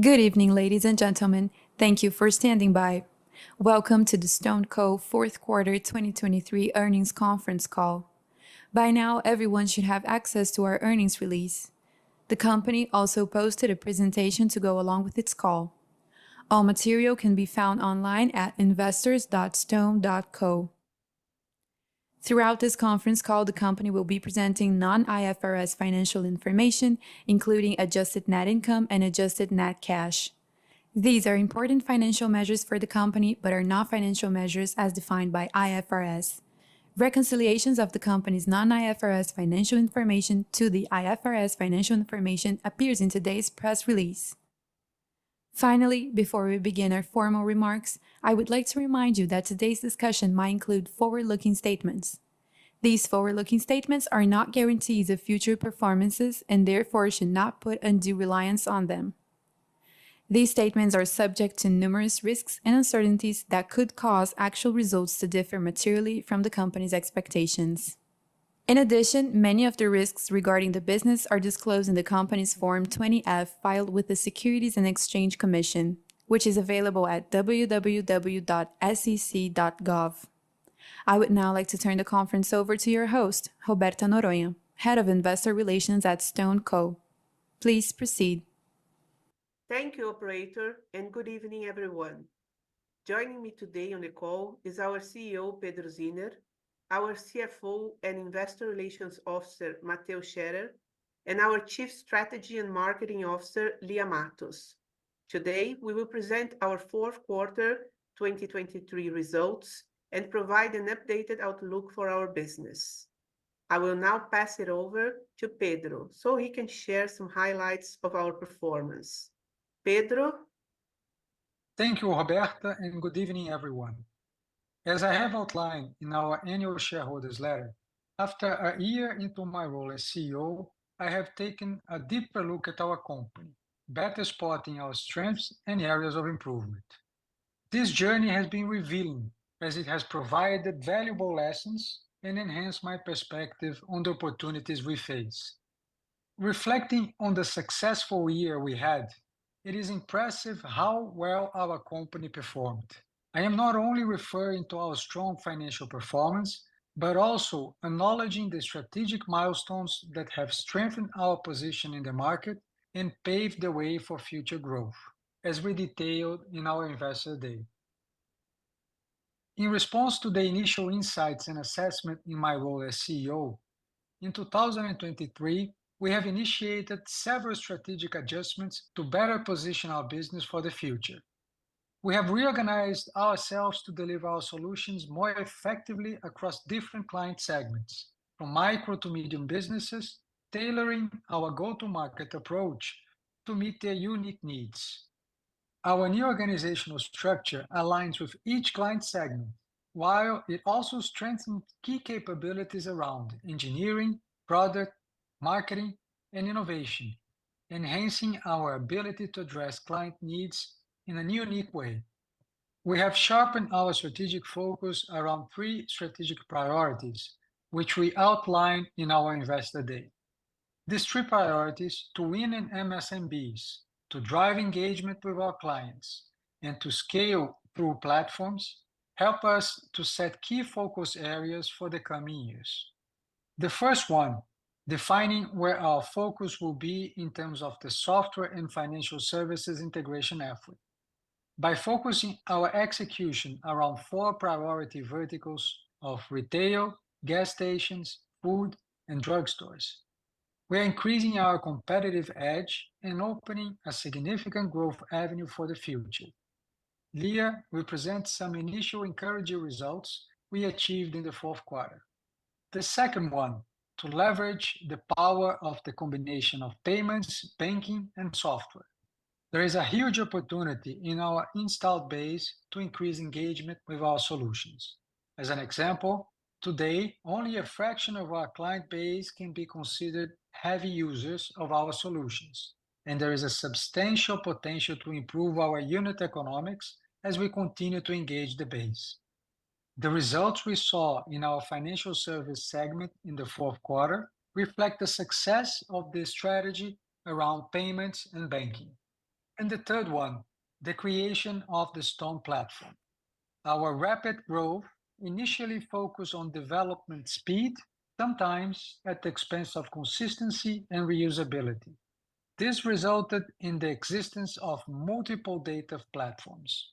Good evening, ladies and gentlemen. Thank you for standing by. Welcome to the StoneCo fourth quarter 2023 earnings conference call. By now, everyone should have access to our earnings release. The company also posted a presentation to go along with its call. All material can be found online at investors.stone.co. Throughout this conference call, the company will be presenting non-IFRS financial information, including adjusted net income and adjusted net cash. These are important financial measures for the company but are not financial measures as defined by IFRS. Reconciliations of the company's non-IFRS financial information to the IFRS financial information appears in today's press release. Finally, before we begin our formal remarks, I would like to remind you that today's discussion might include forward-looking statements. These forward-looking statements are not guarantees of future performances and therefore should not put undue reliance on them. These statements are subject to numerous risks and uncertainties that could cause actual results to differ materially from the company's expectations. In addition, many of the risks regarding the business are disclosed in the company's Form 20-F filed with the Securities and Exchange Commission, which is available at www.sec.gov. I would now like to turn the conference over to your host, Roberta Noronha, Head of Investor Relations at StoneCo. Please proceed. Thank you, Operator, and good evening, everyone. Joining me today on the call is our CEO, Pedro Zinner, our CFO and Investor Relations Officer, Mateus Scherer, and our Chief Strategy and Marketing Officer, Lia Matos. Today we will present our fourth quarter 2023 results and provide an updated outlook for our business. I will now pass it over to Pedro so he can share some highlights of our performance. Pedro? Thank you, Roberta, and good evening, everyone. As I have outlined in our annual shareholders' letter, after a year into my role as CEO, I have taken a deeper look at our company, better spotting our strengths and areas of improvement. This journey has been revealing, as it has provided valuable lessons and enhanced my perspective on the opportunities we face. Reflecting on the successful year we had, it is impressive how well our company performed. I am not only referring to our strong financial performance but also acknowledging the strategic milestones that have strengthened our position in the market and paved the way for future growth, as we detailed in our Investor Day. In response to the initial insights and assessment in my role as CEO, in 2023 we have initiated several strategic adjustments to better position our business for the future. We have reorganized ourselves to deliver our solutions more effectively across different client segments, from micro to medium businesses, tailoring our go-to-market approach to meet their unique needs. Our new organizational structure aligns with each client segment, while it also strengthens key capabilities around engineering, product, marketing, and innovation, enhancing our ability to address client needs in a new, unique way. We have sharpened our strategic focus around three strategic priorities, which we outlined in our Investor Day. These three priorities to win in MSMBs, to drive engagement with our clients, and to scale through platforms help us to set key focus areas for the coming years. The first one: defining where our focus will be in terms of the software and financial services integration effort. By focusing our execution around four priority verticals of retail, gas stations, food, and drugstores, we are increasing our competitive edge and opening a significant growth avenue for the future. Lia will present some initial encouraging results we achieved in the fourth quarter. The second one: to leverage the power of the combination of payments, banking, and software. There is a huge opportunity in our installed base to increase engagement with our solutions. As an example, today only a fraction of our client base can be considered heavy users of our solutions, and there is a substantial potential to improve our unit economics as we continue to engage the base. The results we saw in our financial services segment in the fourth quarter reflect the success of the strategy around payments and banking. And the third one: the creation of the Stone Platform. Our rapid growth initially focused on development speed, sometimes at the expense of consistency and reusability. This resulted in the existence of multiple data platforms.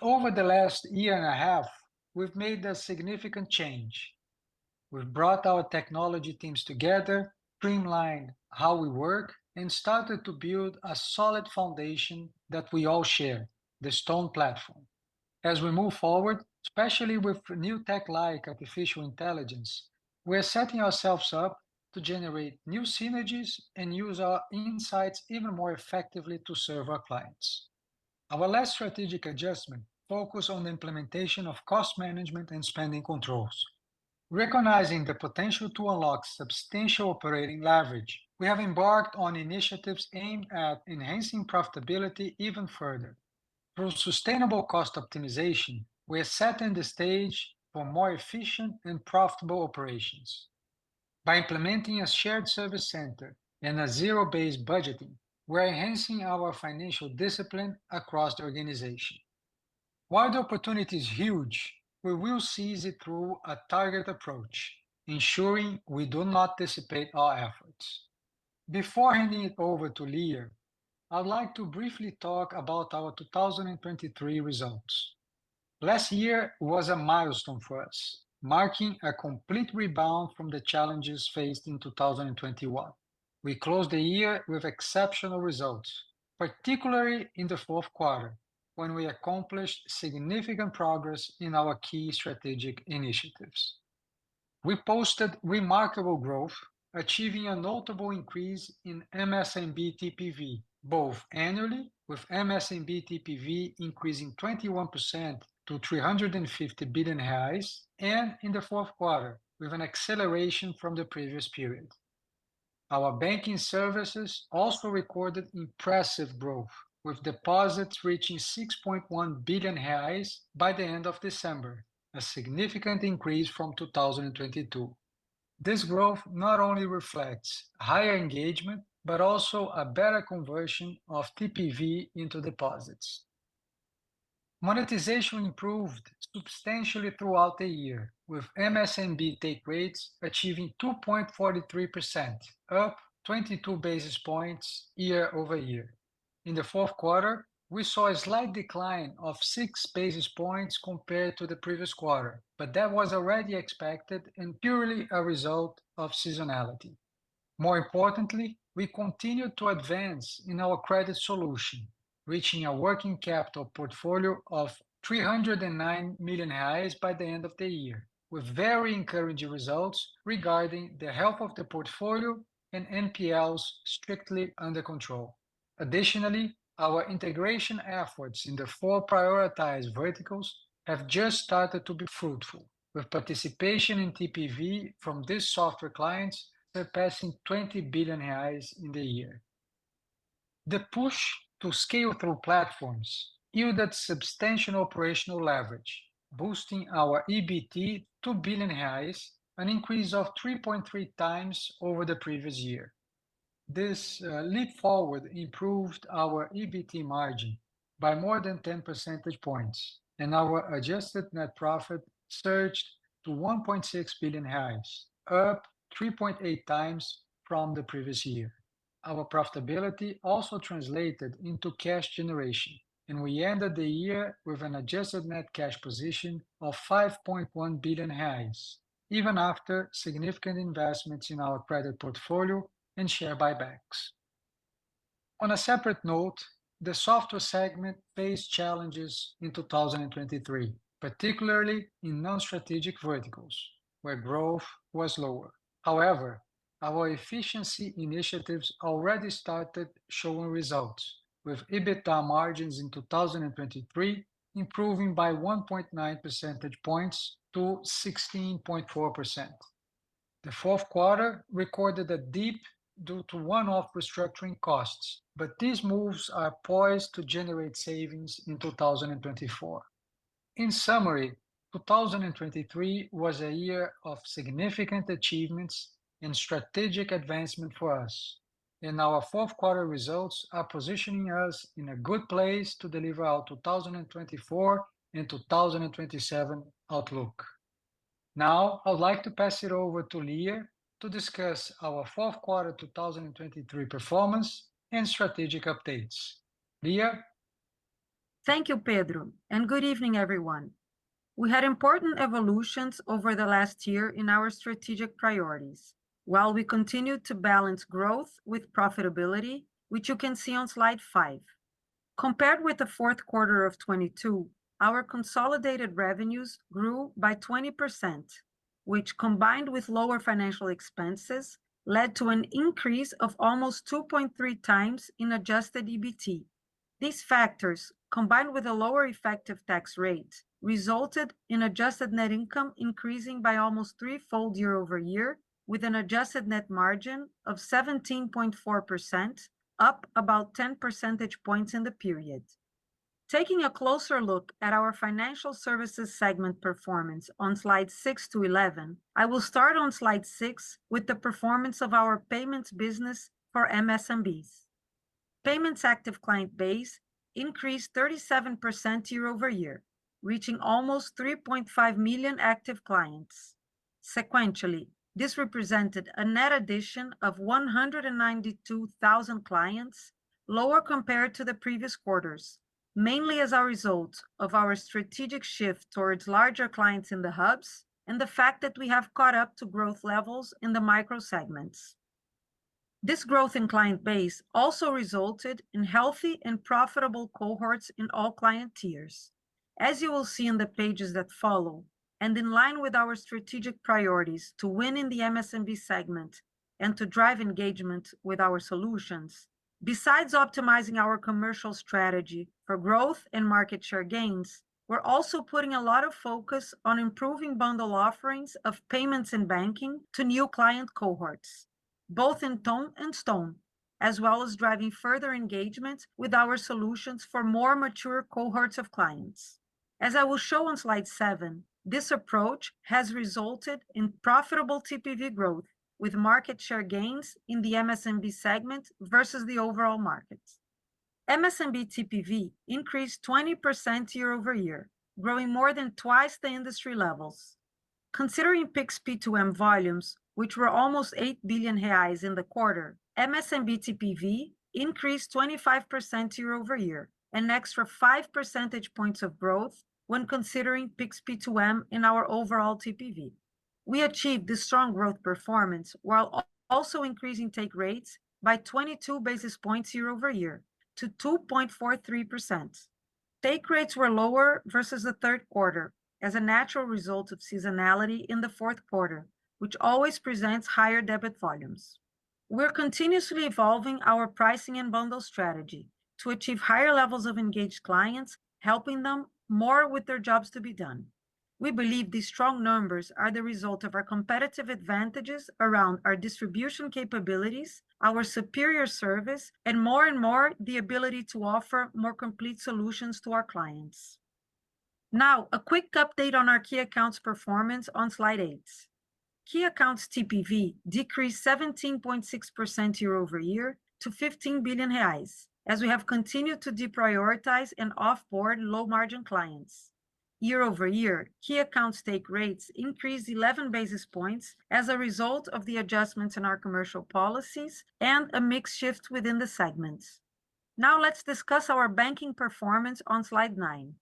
Over the last year and a half, we've made a significant change. We've brought our technology teams together, streamlined how we work, and started to build a solid foundation that we all share: the Stone Platform. As we move forward, especially with new tech like artificial intelligence, we are setting ourselves up to generate new synergies and use our insights even more effectively to serve our clients. Our last strategic adjustment focused on the implementation of cost management and spending controls. Recognizing the potential to unlock substantial operating leverage, we have embarked on initiatives aimed at enhancing profitability even further. Through sustainable cost optimization, we have set the stage for more efficient and profitable operations. By implementing a shared service center and a zero-based budgeting, we are enhancing our financial discipline across the organization. While the opportunity is huge, we will seize it through a targeted approach, ensuring we do not dissipate our efforts. Before handing it over to Lia, I'd like to briefly talk about our 2023 results. Last year was a milestone for us, marking a complete rebound from the challenges faced in 2021. We closed the year with exceptional results, particularly in the fourth quarter, when we accomplished significant progress in our key strategic initiatives. We posted remarkable growth, achieving a notable increase in MSMB TPV, both annually, with MSMB TPV increasing 21% to 350 billion, and in the fourth quarter, with an acceleration from the previous period. Our banking services also recorded impressive growth, with deposits reaching 6.1 billion reais by the end of December, a significant increase from 2022. This growth not only reflects higher engagement but also a better conversion of TPV into deposits. Monetization improved substantially throughout the year, with MSMB take-rates achieving 2.43%, up 22 basis points year-over-year. In the fourth quarter, we saw a slight decline of 6 basis points compared to the previous quarter, but that was already expected and purely a result of seasonality. More importantly, we continued to advance in our credit solution, reaching a working capital portfolio of 309 million reais by the end of the year, with very encouraging results regarding the health of the portfolio and NPLs strictly under control. Additionally, our integration efforts in the four prioritized verticals have just started to be fruitful, with participation in TPV from these software clients surpassing 20 billion reais in the year. The push to scale through platforms yielded substantial operational leverage, boosting our EBIT to 2 billion reais, an increase of 3.3x over the previous year. This leap forward improved our EBIT margin by more than 10 percentage points, and our adjusted net profit surged to 1.6 billion, up 3.8x from the previous year. Our profitability also translated into cash generation, and we ended the year with an adjusted net cash position of 5.1 billion, even after significant investments in our credit portfolio and share buybacks. On a separate note, the software segment faced challenges in 2023, particularly in non-strategic verticals, where growth was lower. However, our efficiency initiatives already started showing results, with EBITDA margins in 2023 improving by 1.9 percentage points to 16.4%. The fourth quarter recorded a dip due to one-off restructuring costs, but these moves are poised to generate savings in 2024. In summary, 2023 was a year of significant achievements and strategic advancement for us, and our fourth quarter results are positioning us in a good place to deliver our 2024 and 2027 outlook. Now, I'd like to pass it over to Lia to discuss our fourth quarter 2023 performance and strategic updates. Lia? Thank you, Pedro, and good evening, everyone. We had important evolutions over the last year in our strategic priorities, while we continued to balance growth with profitability, which you can see on Slide 5. Compared with the fourth quarter of 2022, our consolidated revenues grew by 20%, which, combined with lower financial expenses, led to an increase of almost 2.3x in adjusted EBITDA. These factors, combined with a lower effective tax rate, resulted in adjusted net income increasing by almost threefold year-over-year, with an adjusted net margin of 17.4%, up about 10 percentage points in the period. Taking a closer look at our financial services segment performance on Slides 6-11, I will start on Slide 6 with the performance of our payments business for MSMBs. Payments active client base increased 37% year-over-year, reaching almost 3.5 million active clients. Sequentially, this represented a net addition of 192,000 clients, lower compared to the previous quarters, mainly as a result of our strategic shift towards larger clients in the hubs and the fact that we have caught up to growth levels in the micro segments. This growth in client base also resulted in healthy and profitable cohorts in all client tiers. As you will see in the pages that follow, and in line with our strategic priorities to win in the MSMB segment and to drive engagement with our solutions, besides optimizing our commercial strategy for growth and market share gains, we're also putting a lot of focus on improving bundle offerings of payments and banking to new client cohorts, both in Ton and Stone, as well as driving further engagement with our solutions for more mature cohorts of clients. As I will show on Slide 7, this approach has resulted in profitable TPV growth, with market share gains in the MSMB segment versus the overall markets. MSMB TPV increased 20% year-over-year, growing more than twice the industry levels. Considering Pix P2M volumes, which were almost 8 billion reais in the quarter, MSMB TPV increased 25% year-over-year, an extra 5 percentage points of growth when considering Pix P2M in our overall TPV. We achieved this strong growth performance while also increasing take-rates by 22 basis points year-over-year, to 2.43%. Take-rates were lower versus the third quarter, as a natural result of seasonality in the fourth quarter, which always presents higher debit volumes. We're continuously evolving our pricing and bundle strategy to achieve higher levels of engaged clients, helping them more with their jobs to be done. We believe these strong numbers are the result of our competitive advantages around our distribution capabilities, our superior service, and more and more the ability to offer more complete solutions to our clients. Now, a quick update on our key accounts performance on Slide 8. Key accounts TPV decreased 17.6% year-over-year to 15 billion reais, as we have continued to deprioritize and offboard low-margin clients. Year-over-year, key accounts take-rates increased 11 basis points as a result of the adjustments in our commercial policies and a mixed shift within the segments. Now, let's discuss our banking performance on Slide 9.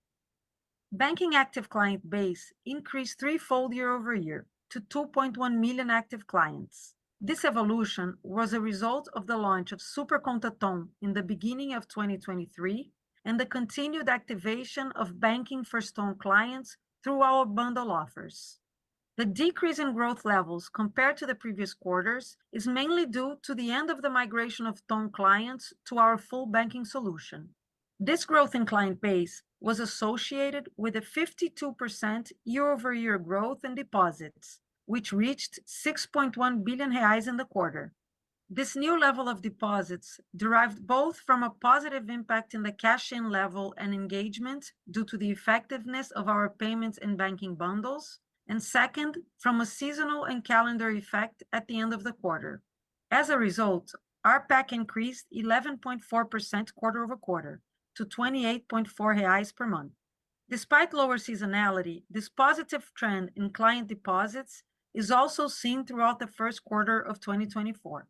Banking active client base increased threefold year-over-year to 2.1 million active clients. This evolution was a result of the launch of Super Conta Ton in the beginning of 2023 and the continued activation of banking for Stone clients through our bundle offers. The decrease in growth levels compared to the previous quarters is mainly due to the end of the migration of Stone clients to our full banking solution. This growth in client base was associated with a 52% year-over-year growth in deposits, which reached 6.1 billion reais in the quarter. This new level of deposits derived both from a positive impact in the cash-in level and engagement due to the effectiveness of our payments and banking bundles, and second, from a seasonal and calendar effect at the end of the quarter. As a result, our ARPAC increased 11.4% quarter-over-quarter, to 28.4 reais per month. Despite lower seasonality, this positive trend in client deposits is also seen throughout the first quarter of 2024.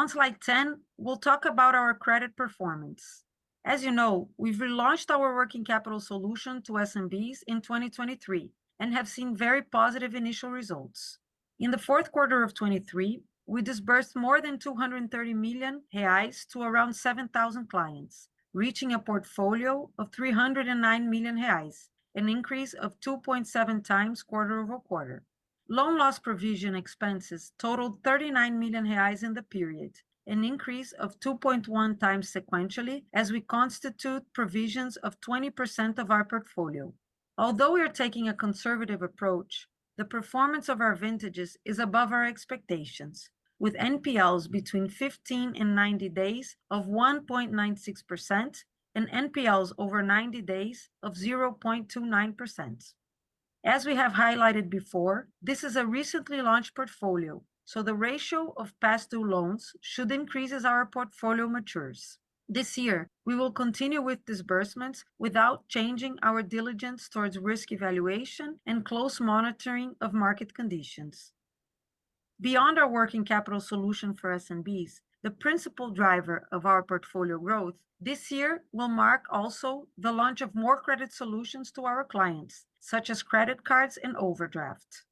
On Slide 10, we'll talk about our credit performance. As you know, we've relaunched our working capital solution to SMBs in 2023 and have seen very positive initial results. In the fourth quarter of 2023, we disbursed more than 230 million reais to around 7,000 clients, reaching a portfolio of 309 million reais, an increase of 2.7x quarter-over-quarter. Loan loss provision expenses totaled 39 million reais in the period, an increase of 2.1x sequentially as we constitute provisions of 20% of our portfolio. Although we are taking a conservative approach, the performance of our vintages is above our expectations, with NPLs between 15-90 days of 1.96% and NPLs over 90 days of 0.29%. As we have highlighted before, this is a recently launched portfolio, so the ratio of past-due loans should increase as our portfolio matures. This year, we will continue with disbursements without changing our diligence towards risk evaluation and close monitoring of market conditions. Beyond our working capital solution for SMBs, the principal driver of our portfolio growth this year will mark also the launch of more credit solutions to our clients, such as credit cards and overdrafts.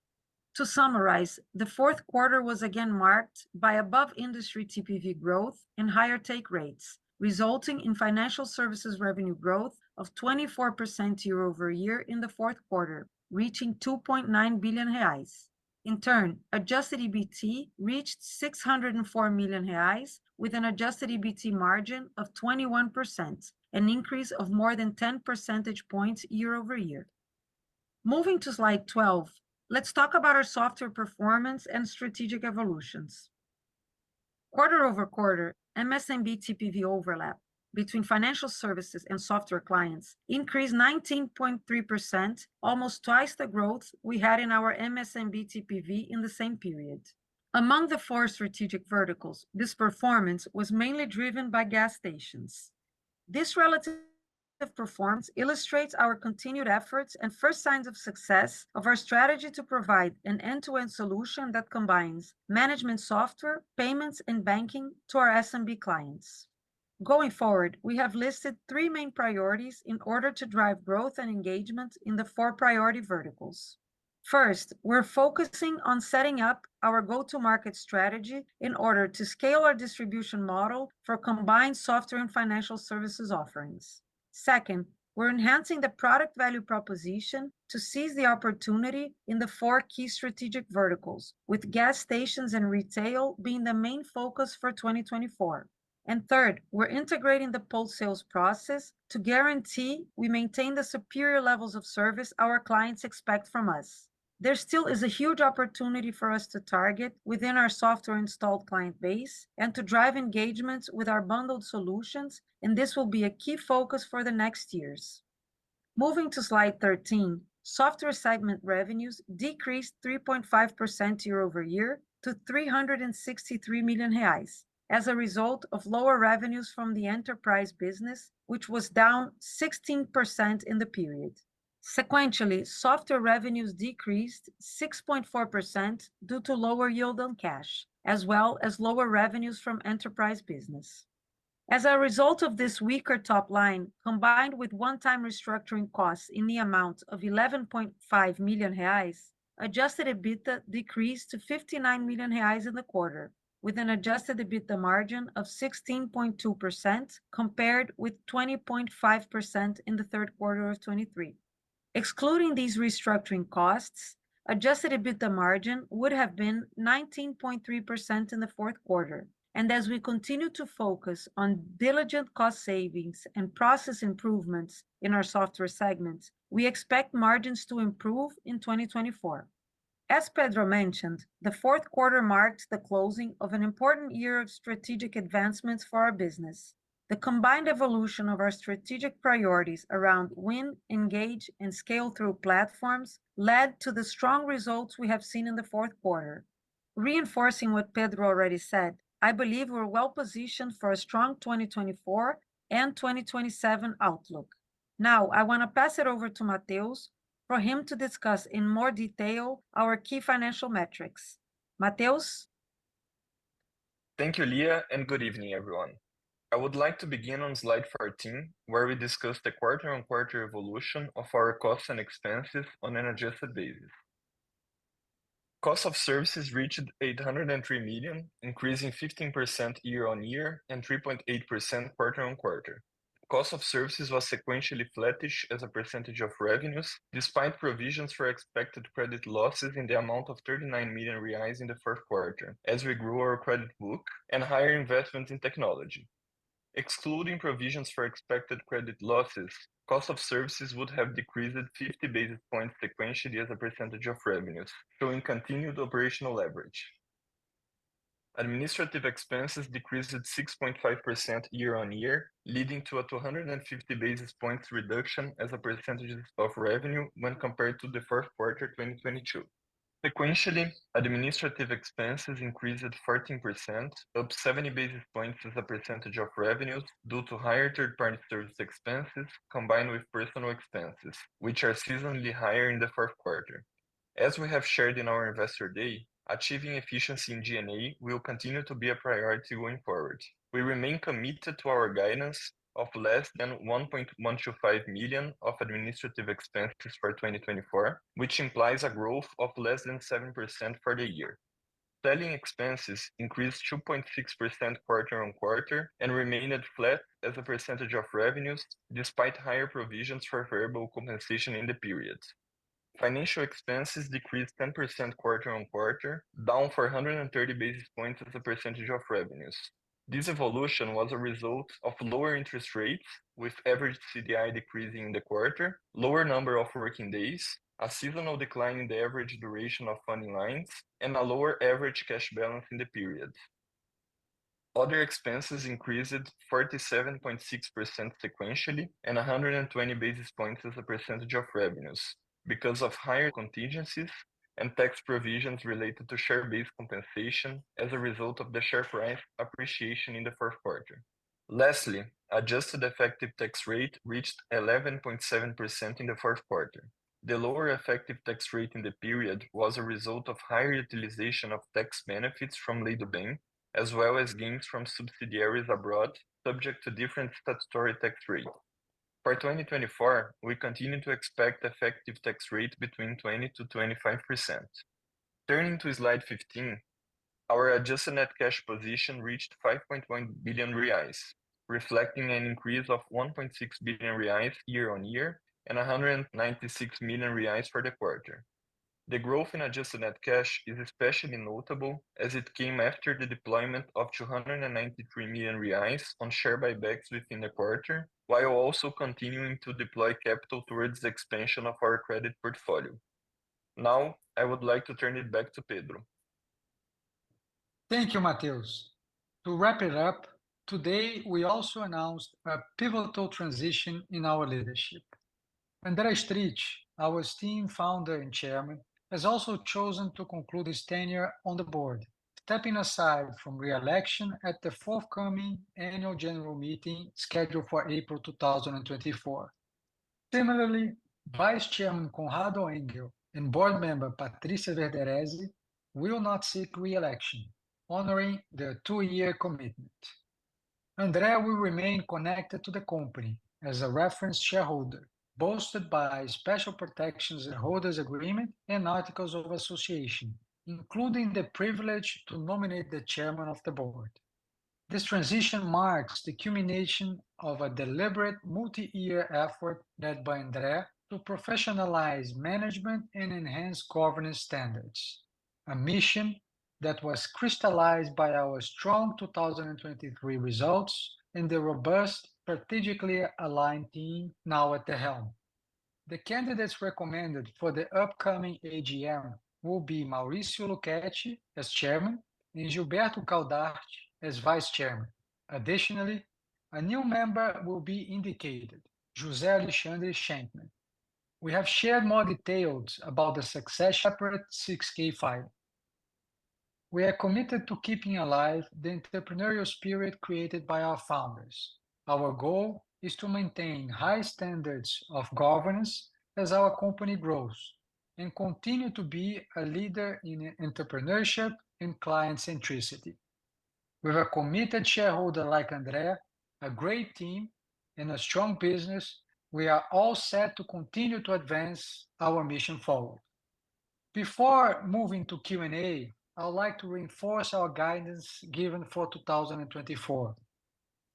To summarize, the fourth quarter was again marked by above-industry TPV growth and higher take-rates, resulting in financial services revenue growth of 24% year-over-year in the fourth quarter, reaching 2.9 billion reais. In turn, adjusted EBITDA reached 604 million reais, with an adjusted EBITDA margin of 21%, an increase of more than 10 percentage points year-over-year. Moving to Slide 12, let's talk about our software performance and strategic evolutions. Quarter-over-quarter, MSMB TPV overlap between financial services and software clients increased 19.3%, almost twice the growth we had in our MSMB TPV in the same period. Among the four strategic verticals, this performance was mainly driven by gas stations. This relative performance illustrates our continued efforts and first signs of success of our strategy to provide an end-to-end solution that combines management software, payments, and banking to our SMB clients. Going forward, we have listed three main priorities in order to drive growth and engagement in the four priority verticals. First, we're focusing on setting up our go-to-market strategy in order to scale our distribution model for combined software and financial services offerings. Second, we're enhancing the product value proposition to seize the opportunity in the four key strategic verticals, with gas stations and retail being the main focus for 2024. Third, we're integrating the post-sales process to guarantee we maintain the superior levels of service our clients expect from us. There still is a huge opportunity for us to target within our software-installed client base and to drive engagements with our bundled solutions, and this will be a key focus for the next years. Moving to Slide 13, software segment revenues decreased 3.5% year-over-year to 363 million reais, as a result of lower revenues from the enterprise business, which was down 16% in the period. Sequentially, software revenues decreased 6.4% due to lower yield on cash, as well as lower revenues from enterprise business. As a result of this weaker top line, combined with one-time restructuring costs in the amount of 11.5 million reais, adjusted EBITDA decreased to 59 million reais in the quarter, with an adjusted EBITDA margin of 16.2% compared with 20.5% in the third quarter of 2023. Excluding these restructuring costs, adjusted EBITDA margin would have been 19.3% in the fourth quarter, and as we continue to focus on diligent cost savings and process improvements in our software segments, we expect margins to improve in 2024. As Pedro mentioned, the fourth quarter marked the closing of an important year of strategic advancements for our business. The combined evolution of our strategic priorities around win, engage, and scale-through platforms led to the strong results we have seen in the fourth quarter. Reinforcing what Pedro already said, I believe we're well-positioned for a strong 2024 and 2027 outlook. Now, I want to pass it over to Mateus for him to discuss in more detail our key financial metrics. Mateus? Thank you, Lia, and good evening, everyone. I would like to begin on Slide 14, where we discussed the quarter-over-quarter evolution of our costs and expenses on an adjusted basis. Costs of services reached 803 million, increasing 15% year-over-year and 3.8% quarter-over-quarter. Costs of services were sequentially flattish as a percentage of revenues, despite provisions for expected credit losses in the amount of 39 million reais in the fourth quarter, as we grew our credit book and higher investment in technology. Excluding provisions for expected credit losses, costs of services would have decreased 50 basis points sequentially as a percentage of revenues, showing continued operational leverage. Administrative expenses decreased 6.5% year-over-year, leading to a 250 basis points reduction as a percentage of revenue when compared to the fourth quarter of 2022. Sequentially, administrative expenses increased 14%, up 70 basis points as a percentage of revenues due to higher third-party service expenses combined with personal expenses, which are seasonally higher in the fourth quarter. As we have shared in our Investor Day, achieving efficiency in G&A will continue to be a priority going forward. We remain committed to our guidance of less than 1.125 million of administrative expenses for 2024, which implies a growth of less than 7% for the year. Selling expenses increased 2.6% quarter-on-quarter and remained flat as a percentage of revenues, despite higher provisions for variable compensation in the period. Financial expenses decreased 10% quarter-on-quarter, down 430 basis points as a percentage of revenues. This evolution was a result of lower interest rates, with average CDI decreasing in the quarter, lower number of working days, a seasonal decline in the average duration of funding lines, and a lower average cash balance in the period. Other expenses increased 47.6% sequentially and 120 basis points as a percentage of revenues, because of higher contingencies and tax provisions related to share-based compensation as a result of the share price appreciation in the fourth quarter. Lastly, adjusted effective tax rate reached 11.7% in the fourth quarter. The lower effective tax rate in the period was a result of higher utilization of tax benefits from Lei do Bem, as well as gains from subsidiaries abroad, subject to different statutory tax rates. For 2024, we continue to expect effective tax rates between 20%-25%. Turning to Slide 15, our adjusted net cash position reached 5.1 billion reais, reflecting an increase of 1.6 billion reais year-on-year and 196 million reais for the quarter. The growth in adjusted net cash is especially notable as it came after the deployment of 293 million reais on share buybacks within the quarter, while also continuing to deploy capital towards the expansion of our credit portfolio. Now, I would like to turn it back to Pedro. Thank you, Mateus. To wrap it up, today we also announced a pivotal transition in our leadership. André Street, our founder and Chairman, has also chosen to conclude his tenure on the board, stepping aside from re-election at the forthcoming annual general meeting scheduled for April 2024. Similarly, Vice Chairman Conrado Engel and Board Member Patrícia Verderesi will not seek re-election, honoring their two-year commitment. André will remain connected to the company as a reference shareholder, bolstered by special protections in holders' agreements and articles of association, including the privilege to nominate the chairman of the board. This transition marks the culmination of a deliberate multi-year effort led by André to professionalize management and enhance governance standards, a mission that was crystallized by our strong 2023 results and the robust, strategically aligned team now at the helm. The candidates recommended for the upcoming AGM will be Maurício Luchetti as chairman and Gilberto Caldart as vice chairman. Additionally, a new member will be indicated: José Alexandre Scheinkman. We have shared more details about the succession. Separate 6-K file. We are committed to keeping alive the entrepreneurial spirit created by our founders. Our goal is to maintain high standards of governance as our company grows and continue to be a leader in entrepreneurship and client-centricity. With a committed shareholder like André, a great team, and a strong business, we are all set to continue to advance our mission forward. Before moving to Q&A, I would like to reinforce our guidance given for 2024.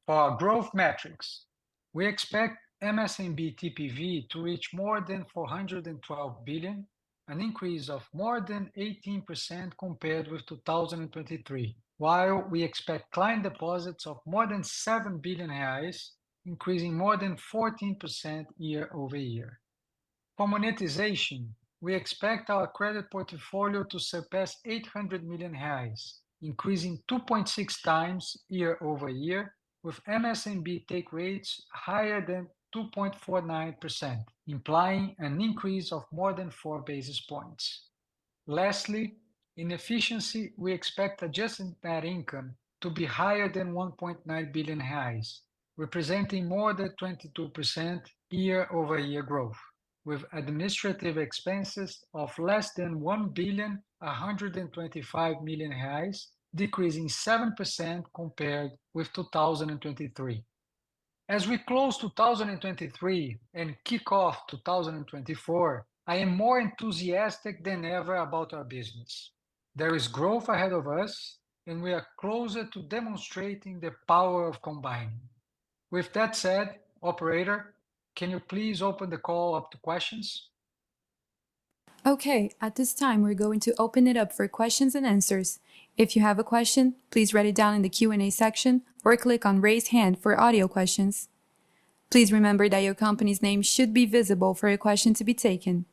For our growth metrics, we expect MSMB TPV to reach more than 412 billion, an increase of more than 18% compared with 2023, while we expect client deposits of more than 7 billion reais, increasing more than 14% year-over-year. For monetization, we expect our credit portfolio to surpass 800 million, increasing 2.6x year-over-year, with MSMB take-rates higher than 2.49%, implying an increase of more than 4 basis points. Lastly, in efficiency, we expect adjusted net income to be higher than 1.9 billion reais, representing more than 22% year-over-year growth, with administrative expenses of less than 1.125 billion, decreasing 7% compared with 2023. As we close 2023 and kick off 2024, I am more enthusiastic than ever about our business. There is growth ahead of us, and we are closer to demonstrating the power of combining. With that said, operator, can you please open the call up to questions? Okay, at this time we're going to open it up for questions and answers. If you have a question, please write it down in the Q&A section or click on "Raise Hand" for audio questions. Please remember that your company's name should be visible for your question to be taken.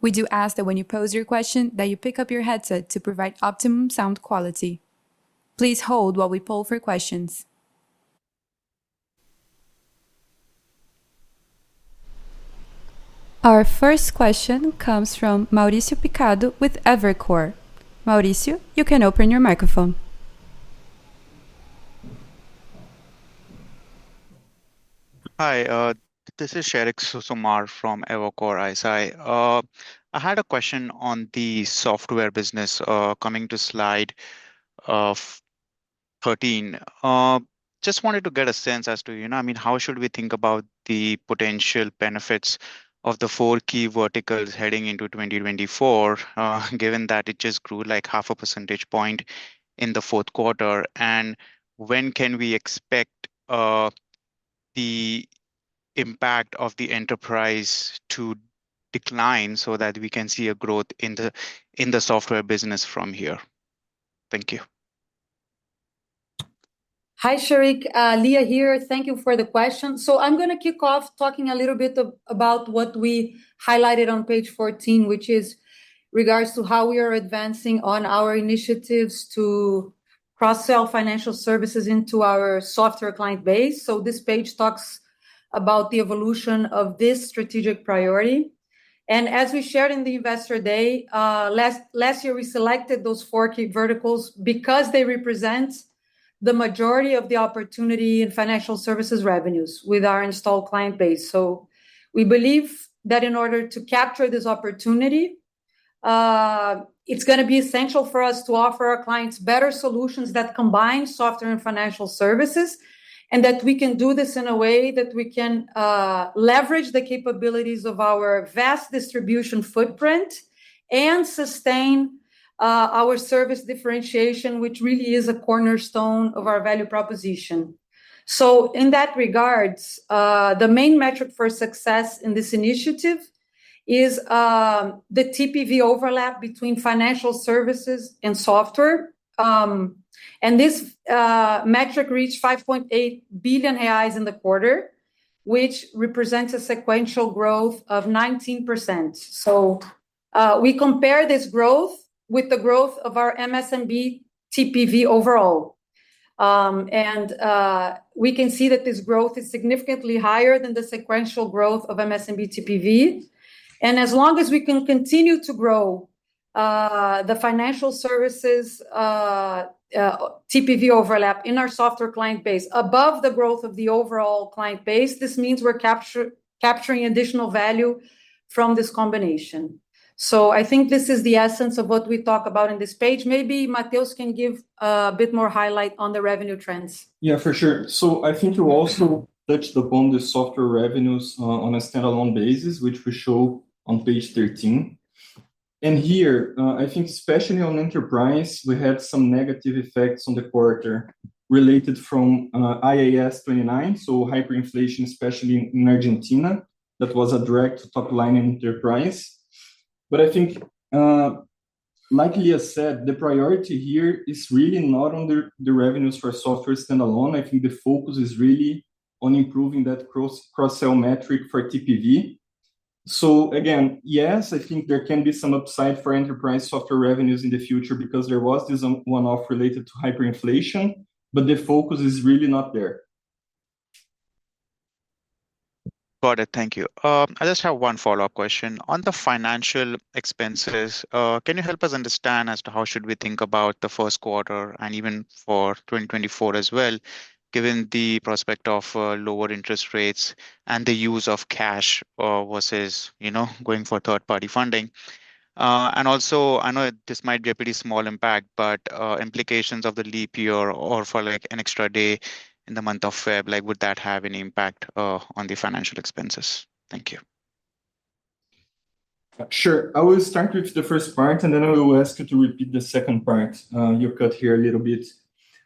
We do ask that when you pose your question, that you pick up your headset to provide optimum sound quality. Please hold while we poll for questions. Our first question comes from Sheriq Sumar with Evercore ISI. Sheriq, you can open your microphone. Hi, this is Sheriq Sumar from Evercore ISI. I had a question on the software business coming to Slide 13. Just wanted to get a sense as to, you know, I mean, how should we think about the potential benefits of the four key verticals heading into 2024, given that it just grew like 0.5 percentage points in the fourth quarter, and when can we expect the impact of the enterprise to decline so that we can see a growth in the software business from here? Thank you. Hi, Sheriq. Lia here. Thank you for the question. So I'm going to kick off talking a little bit about what we highlighted on page 14, which is in regards to how we are advancing on our initiatives to cross-sell financial services into our software client base. So this page talks about the evolution of this strategic priority. And as we shared in the Investor Day, last year we selected those four key verticals because they represent the majority of the opportunity in financial services revenues with our installed client base. We believe that in order to capture this opportunity, it's going to be essential for us to offer our clients better solutions that combine software and financial services, and that we can do this in a way that we can leverage the capabilities of our vast distribution footprint and sustain our service differentiation, which really is a cornerstone of our value proposition. In that regard, the main metric for success in this initiative is the TPV overlap between financial services and software. This metric reached 5.8 billion reais in the quarter, which represents a sequential growth of 19%. We compare this growth with the growth of our MSMB TPV overall. We can see that this growth is significantly higher than the sequential growth of MSMB TPV. As long as we can continue to grow the financial services TPV overlap in our software client base above the growth of the overall client base, this means we're capturing additional value from this combination. I think this is the essence of what we talk about in this page. Maybe Mateus can give a bit more highlight on the revenue trends. Yeah, for sure. So I think you also touched upon the software revenues on a standalone basis, which we show on page 13. And here, I think especially on enterprise, we had some negative effects on the quarter related from IAS 29, so hyperinflation, especially in Argentina, that was a direct topline in enterprise. But I think, like Lia said, the priority here is really not on the revenues for software standalone. I think the focus is really on improving that cross-sell metric for TPV. So again, yes, I think there can be some upside for enterprise software revenues in the future because there was this one-off related to hyperinflation, but the focus is really not there. Got it. Thank you. I just have one follow-up question. On the financial expenses, can you help us understand as to how should we think about the first quarter and even for 2024 as well, given the prospect of lower interest rates and the use of cash versus going for third-party funding? And also, I know this might be a pretty small impact, but implications of the leap year or for an extra day in the month of February, would that have any impact on the financial expenses? Thank you. Sure. I will start with the first part, and then I will ask you to repeat the second part. You cut here a little bit.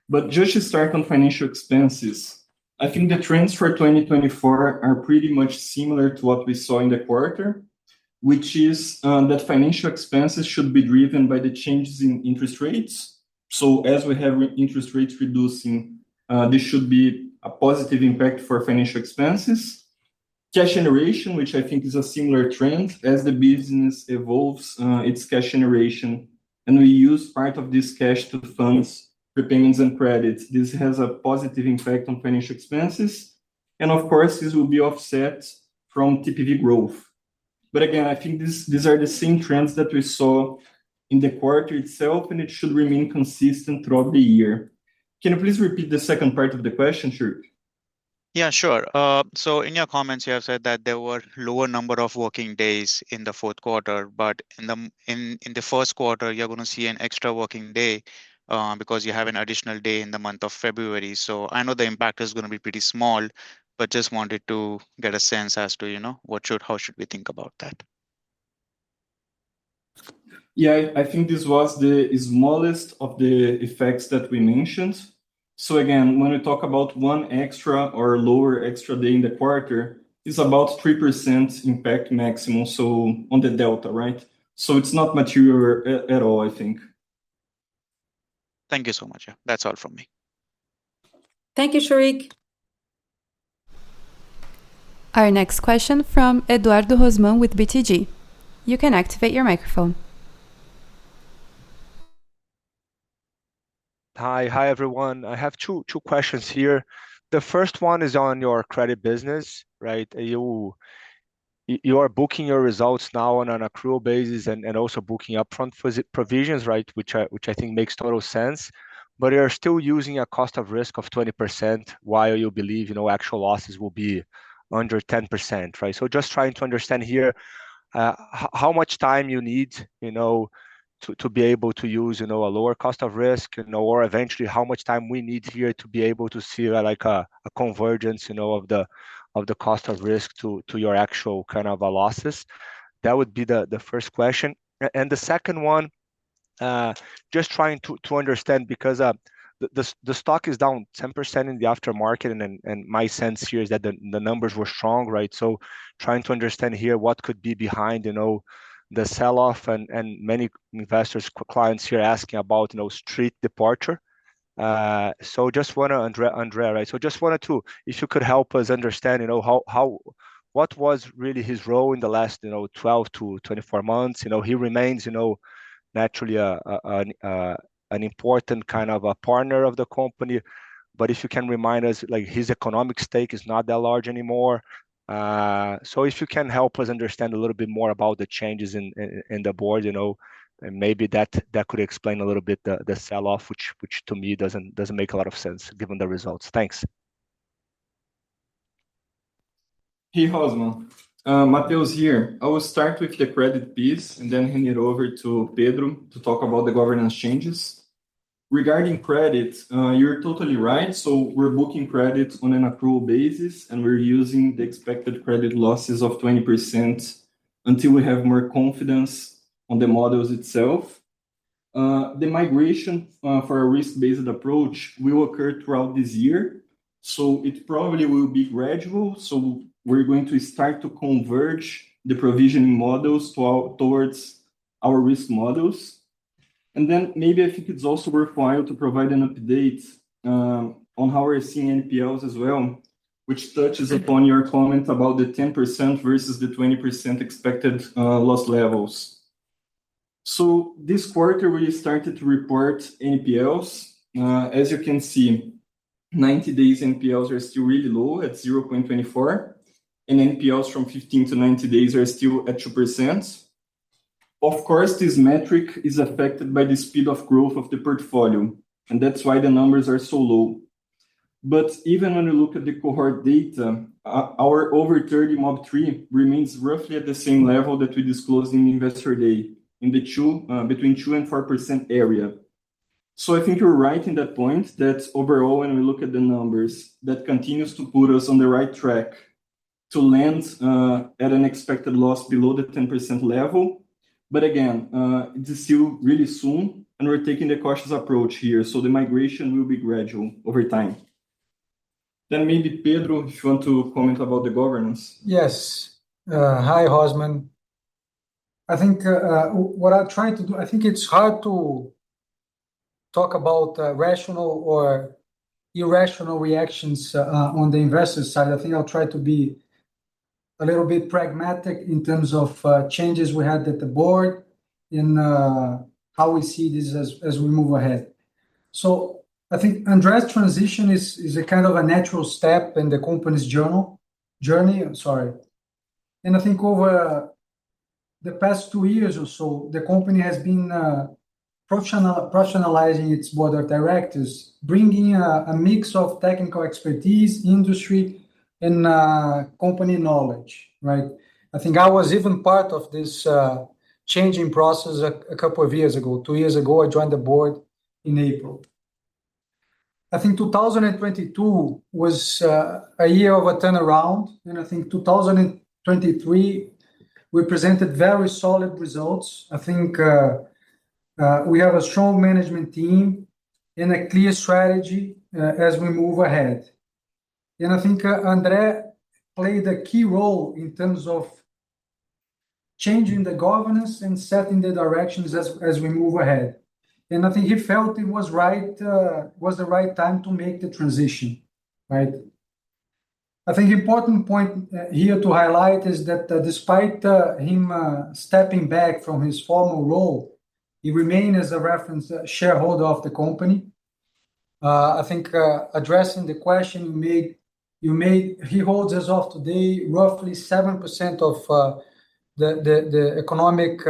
But just to start on financial expenses, I think the trends for 2024 are pretty much similar to what we saw in the quarter, which is that financial expenses should be driven by the changes in interest rates. So as we have interest rates reducing, this should be a positive impact for financial expenses. Cash generation, which I think is a similar trend, as the business evolves, its cash generation, and we use part of this cash to fund prepayments and credits, this has a positive impact on financial expenses. And of course, this will be offset from TPV growth. But again, I think these are the same trends that we saw in the quarter itself, and it should remain consistent throughout the year. Can you please repeat the second part of the question, Sheriq? Yeah, sure. So in your comments, you have said that there were a lower number of working days in the fourth quarter, but in the first quarter, you're going to see an extra working day because you have an additional day in the month of February. So I know the impact is going to be pretty small, but just wanted to get a sense as to how should we think about that? Yeah, I think this was the smallest of the effects that we mentioned. So again, when we talk about one extra or lower extra day in the quarter, it's about 3% impact maximum, so on the delta, right? So it's not material at all, I think. Thank you so much. Yeah, that's all from me. Thank you, Sheriq. Our next question from Eduardo Rosman with BTG. You can activate your microphone. Hi, hi everyone. I have two questions here. The first one is on your credit business, right? You are booking your results now on an accrual basis and also booking upfront provisions, right, which I think makes total sense. But you're still using a cost of risk of 20% while you believe actual losses will be under 10%, right? So just trying to understand here how much time you need to be able to use a lower cost of risk or eventually how much time we need here to be able to see a convergence of the cost of risk to your actual kind of losses. That would be the first question. And the second one, just trying to understand because the stock is down 10% in the aftermarket, and my sense here is that the numbers were strong, right? So trying to understand here what could be behind the sell-off and many investors, clients here asking about Street departure. So just want to, André, right? So just wanted to, if you could help us understand what was really his role in the last 12-24 months. He remains naturally an important kind of a partner of the company. But if you can remind us, his economic stake is not that large anymore. So if you can help us understand a little bit more about the changes in the board, maybe that could explain a little bit the sell-off, which to me doesn't make a lot of sense given the results. Thanks. Hey, Rosman. Mateus here. I will start with the credit piece and then hand it over to Pedro to talk about the governance changes. Regarding credit, you're totally right. So we're booking credit on an accrual basis, and we're using the expected credit losses of 20% until we have more confidence on the models itself. The migration for a risk-based approach will occur throughout this year. So it probably will be gradual. So we're going to start to converge the provisioning models towards our risk models. And then maybe I think it's also worthwhile to provide an update on how we're seeing NPLs as well, which touches upon your comment about the 10% versus the 20% expected loss levels. So this quarter, we started to report NPLs. As you can see, 90-day NPLs are still really low at 0.24%, and NPLs from 15-90 days are still at 2%. Of course, this metric is affected by the speed of growth of the portfolio, and that's why the numbers are so low. But even when we look at the cohort data, our over-30 MOB3 remains roughly at the same level that we disclosed in Investor Day, between 2% and 4% area. So I think you're right in that point that overall, when we look at the numbers, that continues to put us on the right track to land at an expected loss below the 10% level. But again, it's still really soon, and we're taking the cautious approach here. So the migration will be gradual over time. Then, maybe Pedro, if you want to comment about the governance. Yes. Hi, Rosman. I think what I'm trying to do, I think it's hard to talk about rational or irrational reactions on the investor side. I think I'll try to be a little bit pragmatic in terms of changes we had at the board and how we see this as we move ahead. So I think André's transition is a kind of a natural step in the company's journey. I'm sorry. And I think over the past two years or so, the company has been professionalizing its board of directors, bringing a mix of technical expertise, industry, and company knowledge, right? I think I was even part of this changing process a couple of years ago. Two years ago, I joined the board in April. I think 2022 was a year of a turnaround, and I think 2023 represented very solid results. I think we have a strong management team and a clear strategy as we move ahead. And I think André played a key role in terms of changing the governance and setting the directions as we move ahead. And I think he felt it was the right time to make the transition, right? I think an important point here to highlight is that despite him stepping back from his formal role, he remains a reference shareholder of the company. I think addressing the question you made, he holds as of today roughly 7% of the economic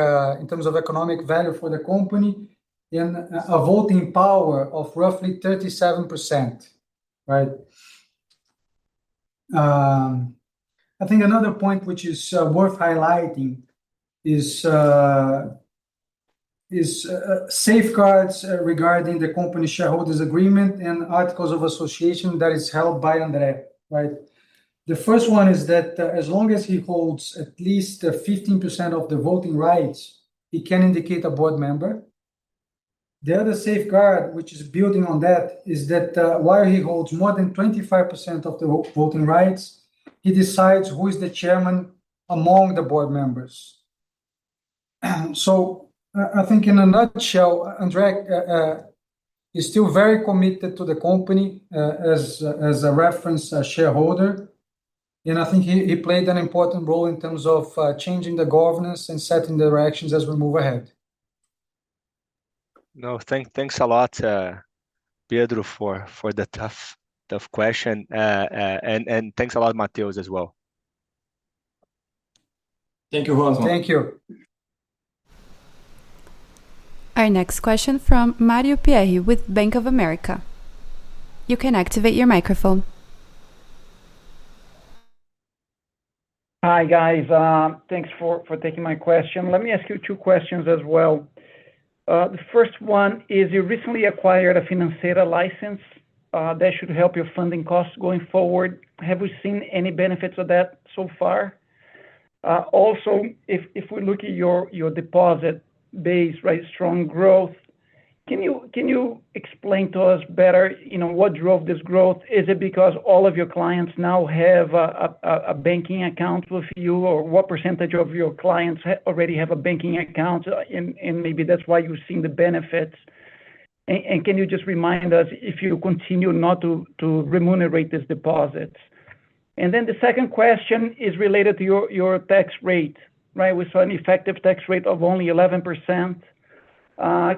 in terms of economic value for the company and a voting power of roughly 37%, right? I think another point which is worth highlighting is safeguards regarding the company shareholders' agreement and articles of association that is held by André, right? The first one is that as long as he holds at least 15% of the voting rights, he can indicate a board member. The other safeguard, which is building on that, is that while he holds more than 25% of the voting rights, he decides who is the chairman among the board members. So I think in a nutshell, André is still very committed to the company as a reference shareholder. And I think he played an important role in terms of changing the governance and setting directions as we move ahead. No, thanks a lot, Pedro, for the tough question. And thanks a lot, Mateus, as well. Thank you, Rosman. Thank you. Our next question from Mario Pierry with Bank of America. You can activate your microphone. Hi, guys. Thanks for taking my question. Let me ask you two questions as well. The first one is you recently acquired a financial license that should help your funding costs going forward. Have we seen any benefits of that so far? Also, if we look at your deposit base, right, strong growth, can you explain to us better what drove this growth? Is it because all of your clients now have a banking account with you, or what percentage of your clients already have a banking account, and maybe that's why you've seen the benefits? And can you just remind us if you continue not to remunerate this deposit? And then the second question is related to your tax rate, right? We saw an effective tax rate of only 11%.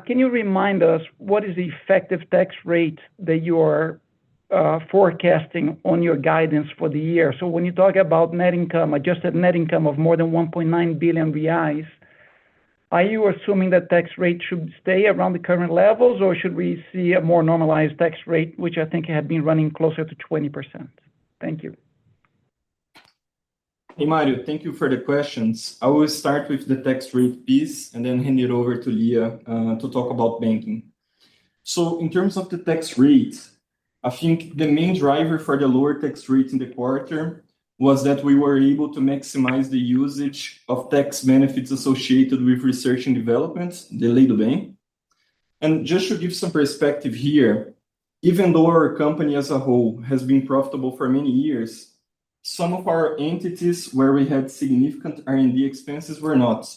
Can you remind us what is the effective tax rate that you are forecasting on your guidance for the year? So when you talk about net income, adjusted net income of more than 1.9 billion reais, are you assuming that tax rate should stay around the current levels, or should we see a more normalized tax rate, which I think had been running closer to 20%? Thank you. Hey, Mario. Thank you for the questions. I will start with the tax rate piece and then hand it over to Lia to talk about banking. So in terms of the tax rates, I think the main driver for the lower tax rates in the quarter was that we were able to maximize the usage of tax benefits associated with research and development, the Lei do Bem. And just to give some perspective here, even though our company as a whole has been profitable for many years, some of our entities where we had significant R&D expenses were not.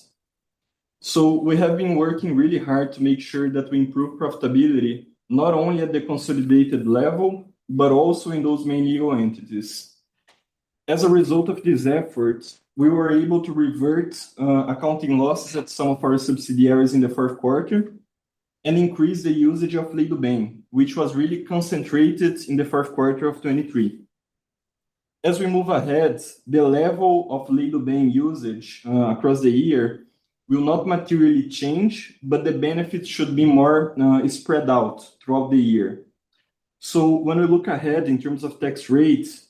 So we have been working really hard to make sure that we improve profitability not only at the consolidated level, but also in those main legal entities. As a result of these efforts, we were able to revert accounting losses at some of our subsidiaries in the fourth quarter and increase the usage of Lei do Bem, which was really concentrated in the fourth quarter of 2023. As we move ahead, the level of Lei do Bem usage across the year will not materially change, but the benefits should be more spread out throughout the year. So when we look ahead in terms of tax rates,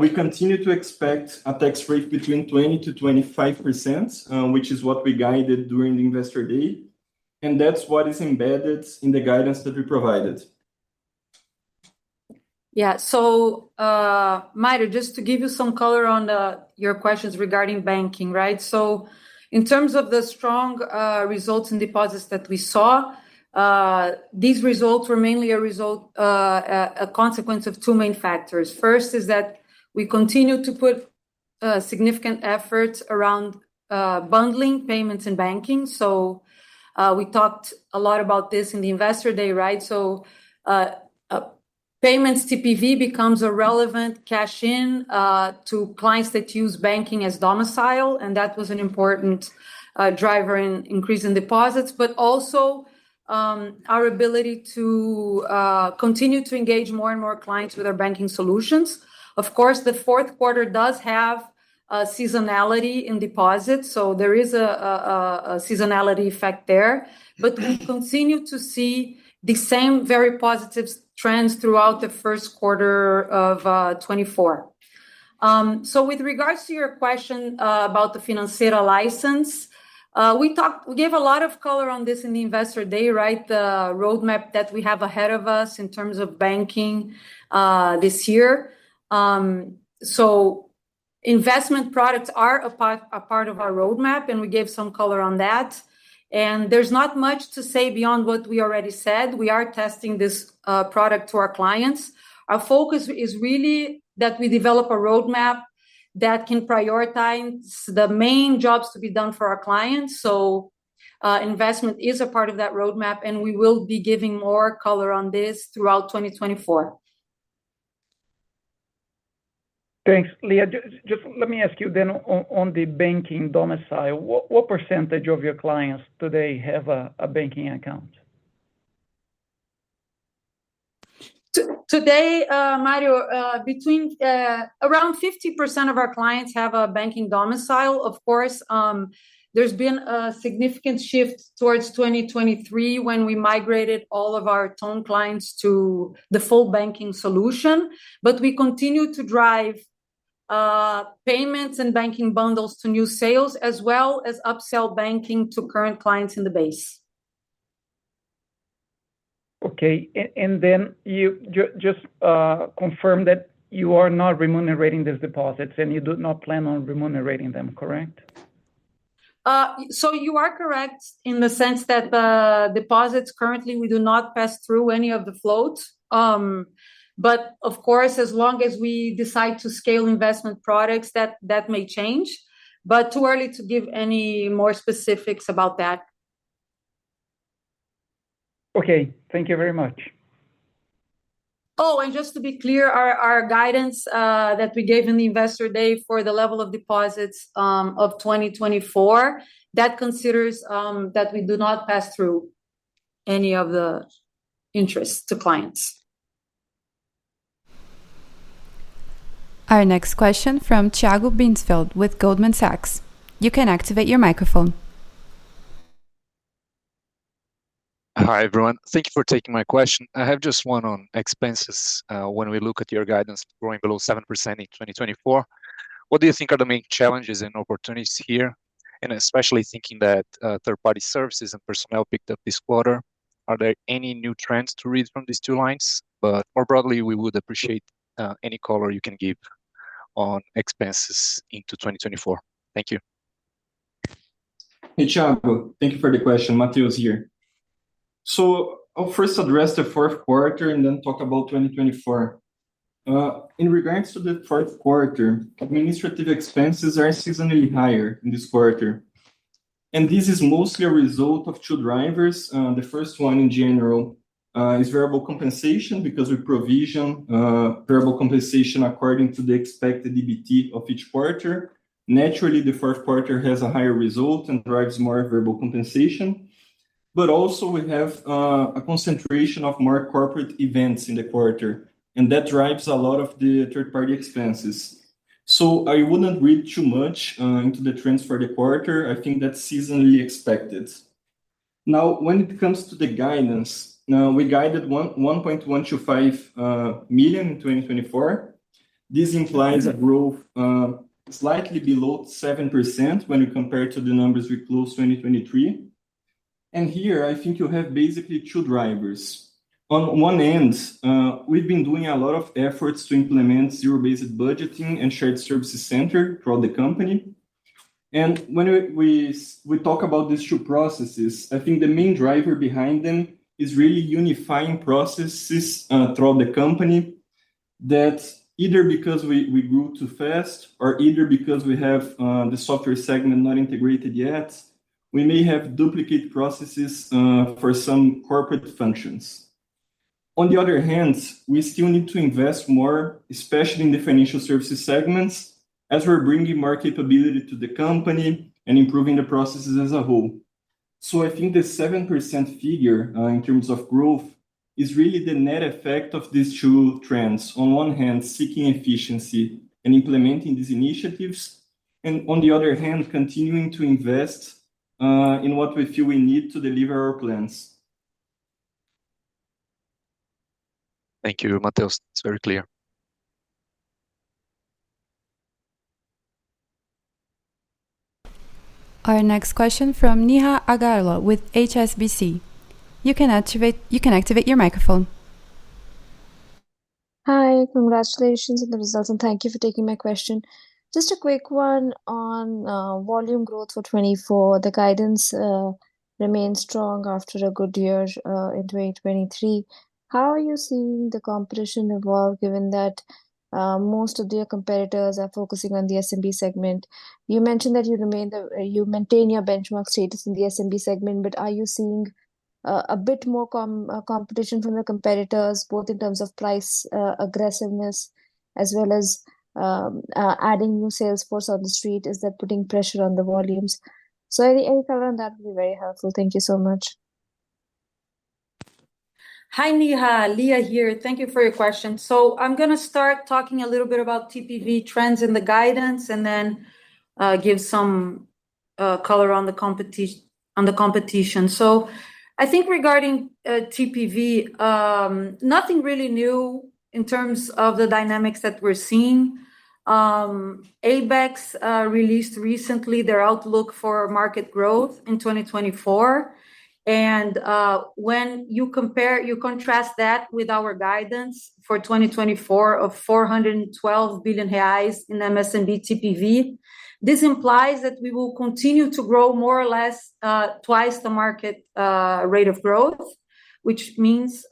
we continue to expect a tax rate between 20%-25%, which is what we guided during the Investor Day. And that's what is embedded in the guidance that we provided. Yeah. So Mario, just to give you some color on your questions regarding banking, right? So in terms of the strong results in deposits that we saw, these results were mainly a consequence of two main factors. First is that we continue to put significant effort around bundling payments and banking. So we talked a lot about this in the Investor Day, right? So payments TPV becomes a relevant cash-in to clients that use banking as domicile, and that was an important driver in increasing deposits, but also our ability to continue to engage more and more clients with our banking solutions. Of course, the fourth quarter does have seasonality in deposits, so there is a seasonality effect there. But we continue to see the same very positive trends throughout the first quarter of 2024. So with regards to your question about the financial license, we gave a lot of color on this in the Investor Day, right? The roadmap that we have ahead of us in terms of banking this year. So investment products are a part of our roadmap, and we gave some color on that. And there's not much to say beyond what we already said. We are testing this product to our clients. Our focus is really that we develop a roadmap that can prioritize the main jobs to be done for our clients. So investment is a part of that roadmap, and we will be giving more color on this throughout 2024. Thanks. Lia, just let me ask you then on the banking domicile. What percentage of your clients today have a banking account? Today, Mario, around 50% of our clients have a banking domicile. Of course, there's been a significant shift towards 2023 when we migrated all of our Ton clients to the full banking solution. But we continue to drive payments and banking bundles to new sales, as well as upsell banking to current clients in the base. Okay. And then you just confirmed that you are not remunerating these deposits, and you do not plan on remunerating them, correct? So you are correct in the sense that deposits currently, we do not pass through any of the floats. But of course, as long as we decide to scale investment products, that may change. But too early to give any more specifics about that. Okay. Thank you very much. Oh, and just to be clear, our guidance that we gave in the Investor Day for the level of deposits of 2024, that considers that we do not pass through any of the interest to clients. Our next question from Tiago Binsfeld with Goldman Sachs. You can activate your microphone. Hi, everyone. Thank you for taking my question. I have just one on expenses. When we look at your guidance growing below 7% in 2024, what do you think are the main challenges and opportunities here? And especially thinking that third-party services and personnel picked up this quarter, are there any new trends to read from these two lines? But more broadly, we would appreciate any color you can give on expenses into 2024. Thank you. Hey, Tiago. Thank you for the question. Mateus here. So I'll first address the fourth quarter and then talk about 2024. In regards to the fourth quarter, administrative expenses are seasonally higher in this quarter. And this is mostly a result of two drivers. The first one, in general, is variable compensation because we provision variable compensation according to the expected EBITDA of each quarter. Naturally, the fourth quarter has a higher result and drives more variable compensation. But also, we have a concentration of more corporate events in the quarter, and that drives a lot of the third-party expenses. So I wouldn't read too much into the trends for the quarter. I think that's seasonally expected. Now, when it comes to the guidance, we guided 1.125 million in 2024. This implies a growth slightly below 7% when you compare to the numbers we closed 2023. Here, I think you have basically two drivers. On one end, we've been doing a lot of efforts to implement zero-based budgeting and shared services center throughout the company. And when we talk about these two processes, I think the main driver behind them is really unifying processes throughout the company that either because we grew too fast or either because we have the software segment not integrated yet, we may have duplicate processes for some corporate functions. On the other hand, we still need to invest more, especially in the financial services segments, as we're bringing more capability to the company and improving the processes as a whole. So I think the 7% figure in terms of growth is really the net effect of these two trends. On one hand, seeking efficiency and implementing these initiatives, and on the other hand, continuing to invest in what we feel we need to deliver our plans. Thank you, Mateus. It's very clear. Our next question from Neha Agarwala with HSBC. You can activate your microphone. Hi. Congratulations on the results, and thank you for taking my question. Just a quick one on volume growth for 2024. The guidance remains strong after a good year in 2023. How are you seeing the competition evolve given that most of your competitors are focusing on the SMB segment? You mentioned that you maintain your benchmark status in the SMB segment, but are you seeing a bit more competition from the competitors, both in terms of price aggressiveness as well as adding new sales for André Street? Is that putting pressure on the volumes? So any color on that would be very helpful. Thank you so much. Hi, Neha. Lia here. Thank you for your question. So I'm going to start talking a little bit about TPV trends in the guidance and then give some color on the competition. So I think regarding TPV, nothing really new in terms of the dynamics that we're seeing. ABECS released recently their outlook for market growth in 2024. And when you contrast that with our guidance for 2024 of 412 billion reais in MSMB TPV, this implies that we will continue to grow more or less twice the market rate of growth, which means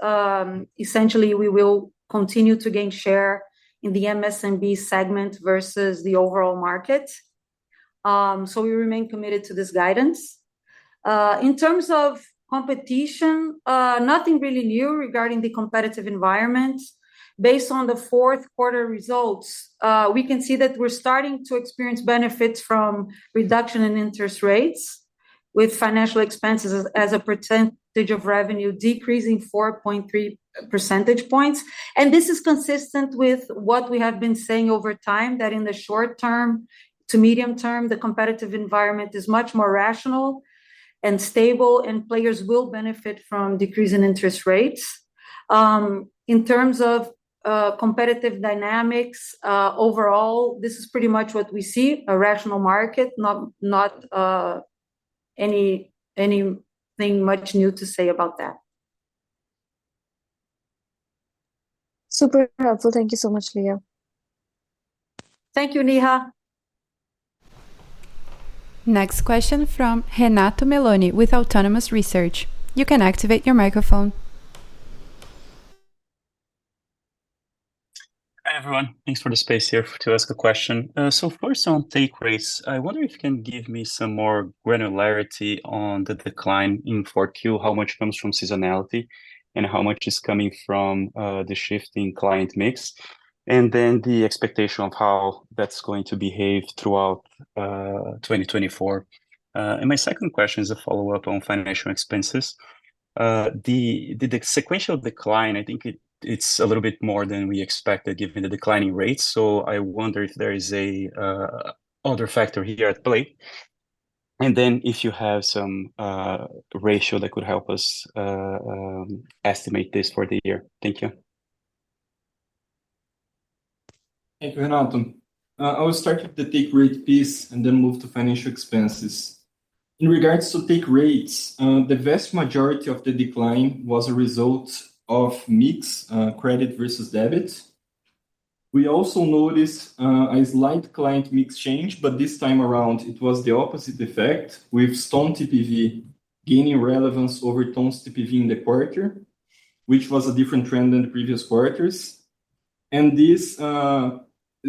essentially we will continue to gain share in the MSMB segment versus the overall market. So we remain committed to this guidance. In terms of competition, nothing really new regarding the competitive environment. Based on the fourth quarter results, we can see that we're starting to experience benefits from reduction in interest rates with financial expenses as a percentage of revenue decreasing 4.3 percentage points. This is consistent with what we have been saying over time, that in the short term to medium term, the competitive environment is much more rational and stable, and players will benefit from decreasing interest rates. In terms of competitive dynamics overall, this is pretty much what we see: a rational market, not anything much new to say about that. Super helpful. Thank you so much, Lia. Thank you, Neha. Next question from Renato Meloni with Autonomous Research. You can activate your microphone. Hi, everyone. Thanks for the space here to ask a question. So first on take rates, I wonder if you can give me some more granularity on the decline in 4Q, how much comes from seasonality, and how much is coming from the shifting client mix, and then the expectation of how that's going to behave throughout 2024. And my second question is a follow-up on financial expenses. The sequential decline, I think it's a little bit more than we expected given the declining rates. So I wonder if there is another factor here at play. And then if you have some ratio that could help us estimate this for the year. Thank you. Thank you, Renato. I will start with the take rate piece and then move to financial expenses. In regards to take rates, the vast majority of the decline was a result of mixed credit versus debit. We also noticed a slight client mix change, but this time around, it was the opposite effect with Stone TPV gaining relevance over Ton TPV in the quarter, which was a different trend than the previous quarters. And this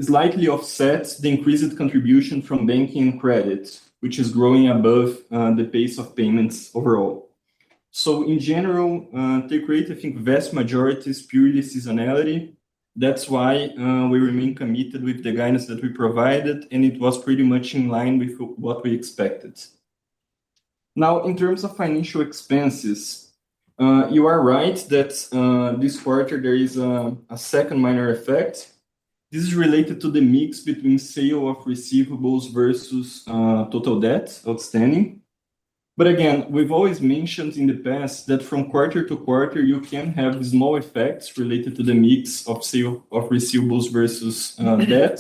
slightly offsets the increased contribution from banking and credit, which is growing above the pace of payments overall. So in general, take rate, I think, vast majority is purely seasonality. That's why we remain committed with the guidance that we provided, and it was pretty much in line with what we expected. Now, in terms of financial expenses, you are right that this quarter there is a second minor effect. This is related to the mix between sale of receivables versus total debt outstanding. But again, we've always mentioned in the past that from quarter-to-quarter, you can have small effects related to the mix of sale of receivables versus debt.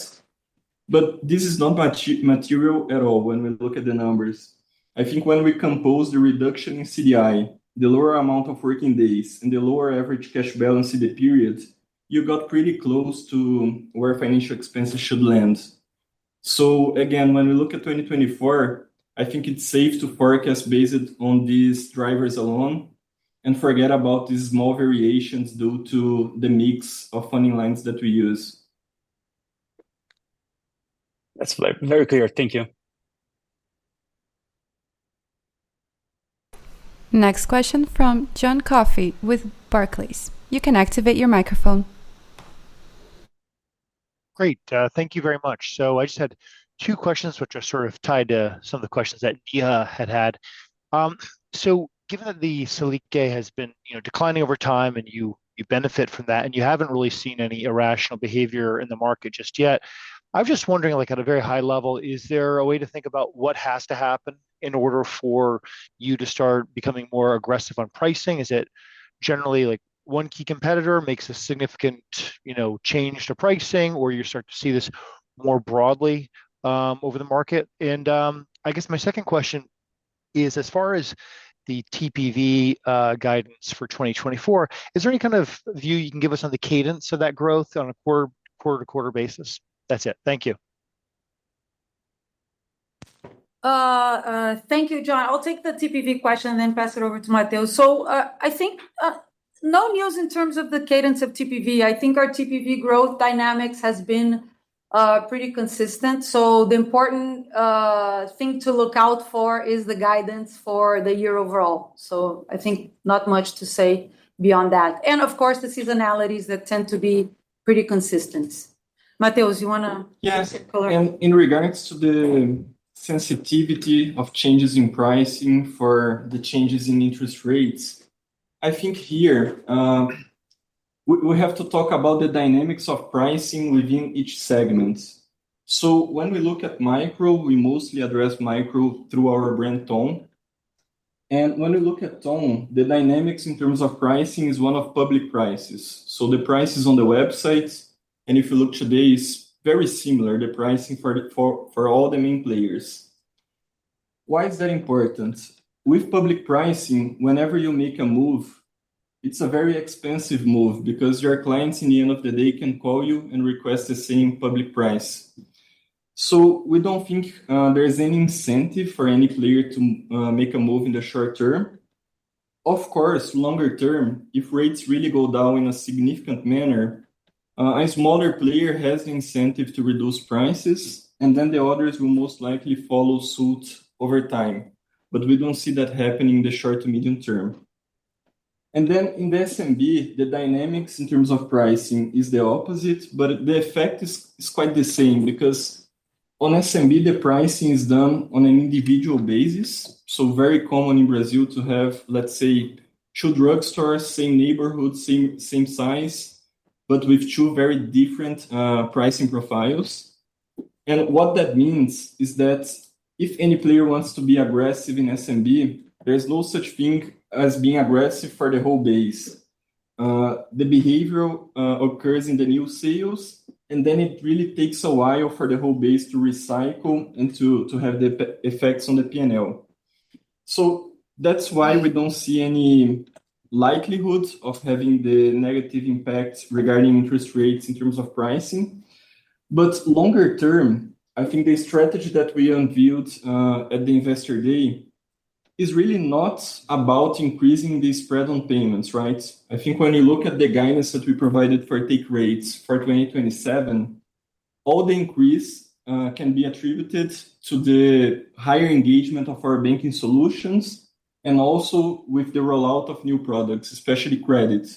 But this is not material at all when we look at the numbers. I think when we compose the reduction in CDI, the lower amount of working days, and the lower average cash balance in the period, you got pretty close to where financial expenses should land. So again, when we look at 2024, I think it's safe to forecast based on these drivers alone and forget about these small variations due to the mix of funding lines that we use. That's very clear. Thank you. Next question from John Coffey with Barclays. You can activate your microphone. Great. Thank you very much. So I just had two questions which are sort of tied to some of the questions that Neha had had. So given that the Selic has been declining over time and you benefit from that and you haven't really seen any irrational behavior in the market just yet, I'm just wondering at a very high level, is there a way to think about what has to happen in order for you to start becoming more aggressive on pricing? Is it generally one key competitor makes a significant change to pricing, or you start to see this more broadly over the market? And I guess my second question is, as far as the TPV guidance for 2024, is there any kind of view you can give us on the cadence of that growth on a quarter-to-quarter basis? That's it. Thank you. Thank you, John. I'll take the TPV question and then pass it over to Mateus. So I think no news in terms of the cadence of TPV. I think our TPV growth dynamics has been pretty consistent. So the important thing to look out for is the guidance for the year overall. So I think not much to say beyond that. And of course, the seasonalities that tend to be pretty consistent. Mateus, you want to give us a color? Yes. In regards to the sensitivity of changes in pricing for the changes in interest rates, I think here we have to talk about the dynamics of pricing within each segment. So when we look at micro, we mostly address micro through our brand Ton. And when we look at Ton, the dynamics in terms of pricing is one of public prices. So the prices on the websites, and if you look today, it's very similar, the pricing for all the main players. Why is that important? With public pricing, whenever you make a move, it's a very expensive move because your clients, in the end of the day, can call you and request the same public price. So we don't think there's any incentive for any player to make a move in the short term. Of course, longer term, if rates really go down in a significant manner, a smaller player has the incentive to reduce prices, and then the others will most likely follow suit over time. But we don't see that happening in the short to medium term. And then in the SMB, the dynamics in terms of pricing is the opposite, but the effect is quite the same because on SMB, the pricing is done on an individual basis. So very common in Brazil to have, let's say, two drug stores, same neighborhood, same size, but with two very different pricing profiles. And what that means is that if any player wants to be aggressive in SMB, there's no such thing as being aggressive for the whole base. The behavior occurs in the new sales, and then it really takes a while for the whole base to recycle and to have the effects on the P&L. So that's why we don't see any likelihood of having the negative impact regarding interest rates in terms of pricing. But longer term, I think the strategy that we unveiled at the Investor Day is really not about increasing the spread on payments, right? I think when you look at the guidance that we provided for take rates for 2027, all the increase can be attributed to the higher engagement of our banking solutions and also with the rollout of new products, especially credit.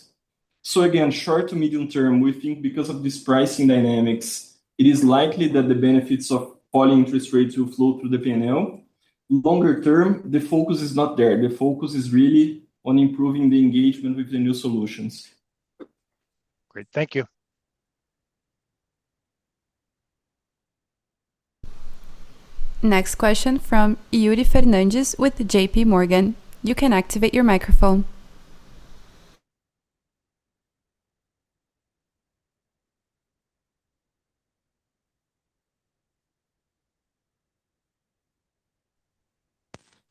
So again, short to medium term, we think because of this pricing dynamics, it is likely that the benefits of falling interest rates will flow through the P&L. Longer term, the focus is not there. The focus is really on improving the engagement with the new solutions. Great. Thank you. Next question from Yuri Fernandes with JPMorgan. You can activate your microphone.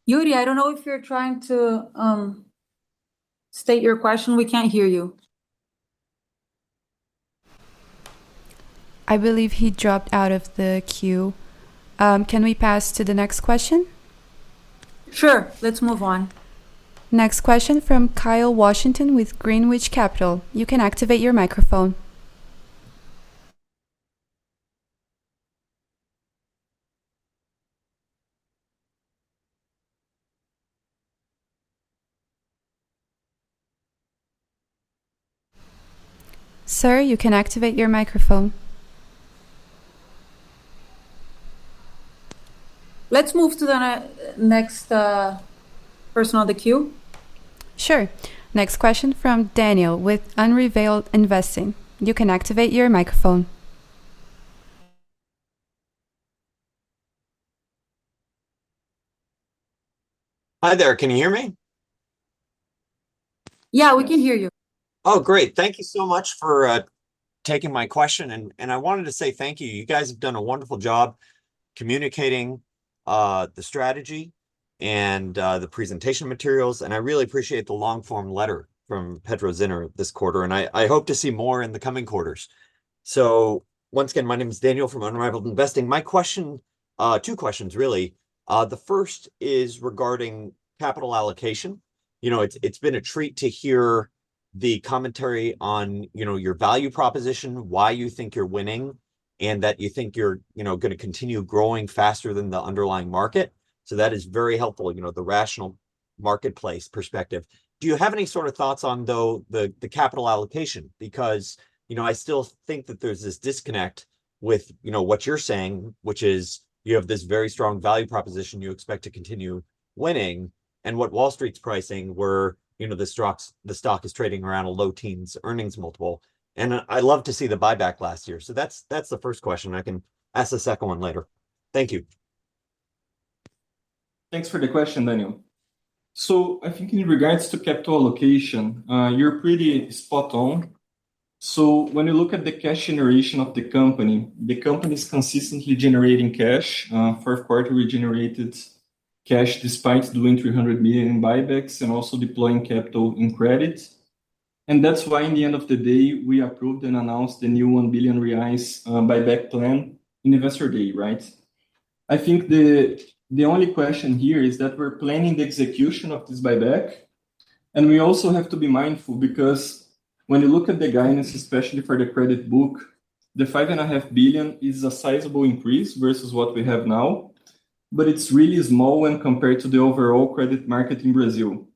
Yuri, I don't know if you're trying to state your question. We can't hear you. I believe he dropped out of the queue. Can we pass to the next question? Sure. Let's move on. Next question from Kyle Washington with Greenwich Capital. You can activate your microphone. Sir, you can activate your microphone. Let's move to the next person on the queue. Sure. Next question from Daniel with Unrivaled Investing. You can activate your microphone. Hi there. Can you hear me? Yeah, we can hear you. Oh, great. Thank you so much for taking my question. I wanted to say thank you. You guys have done a wonderful job communicating the strategy and the presentation materials. I really appreciate the long-form letter from Pedro Zinner this quarter, and I hope to see more in the coming quarters. Once again, my name is Daniel from Unrivaled Investing. Two questions, really. The first is regarding capital allocation. It's been a treat to hear the commentary on your value proposition, why you think you're winning, and that you think you're going to continue growing faster than the underlying market. That is very helpful, the rational marketplace perspective. Do you have any sort of thoughts on, though, the capital allocation? Because I still think that there's this disconnect with what you're saying, which is you have this very strong value proposition, you expect to continue winning, and what Wall Street's pricing where the stock is trading around a low teens earnings multiple. I loved to see the buyback last year. That's the first question. I can ask the second one later. Thank you. Thanks for the question, Daniel. So I think in regards to capital allocation, you're pretty spot on. So when you look at the cash generation of the company, the company is consistently generating cash, first-quarterly generated cash despite doing 300 million in buybacks and also deploying capital in credit. And that's why in the end of the day, we approved and announced the new 1 billion reais buyback plan on Investor Day, right? I think the only question here is that we're planning the execution of this buyback. And we also have to be mindful because when you look at the guidance, especially for the credit book, the 5.5 billion is a sizable increase versus what we have now, but it's really small when compared to the overall credit market in Brazil.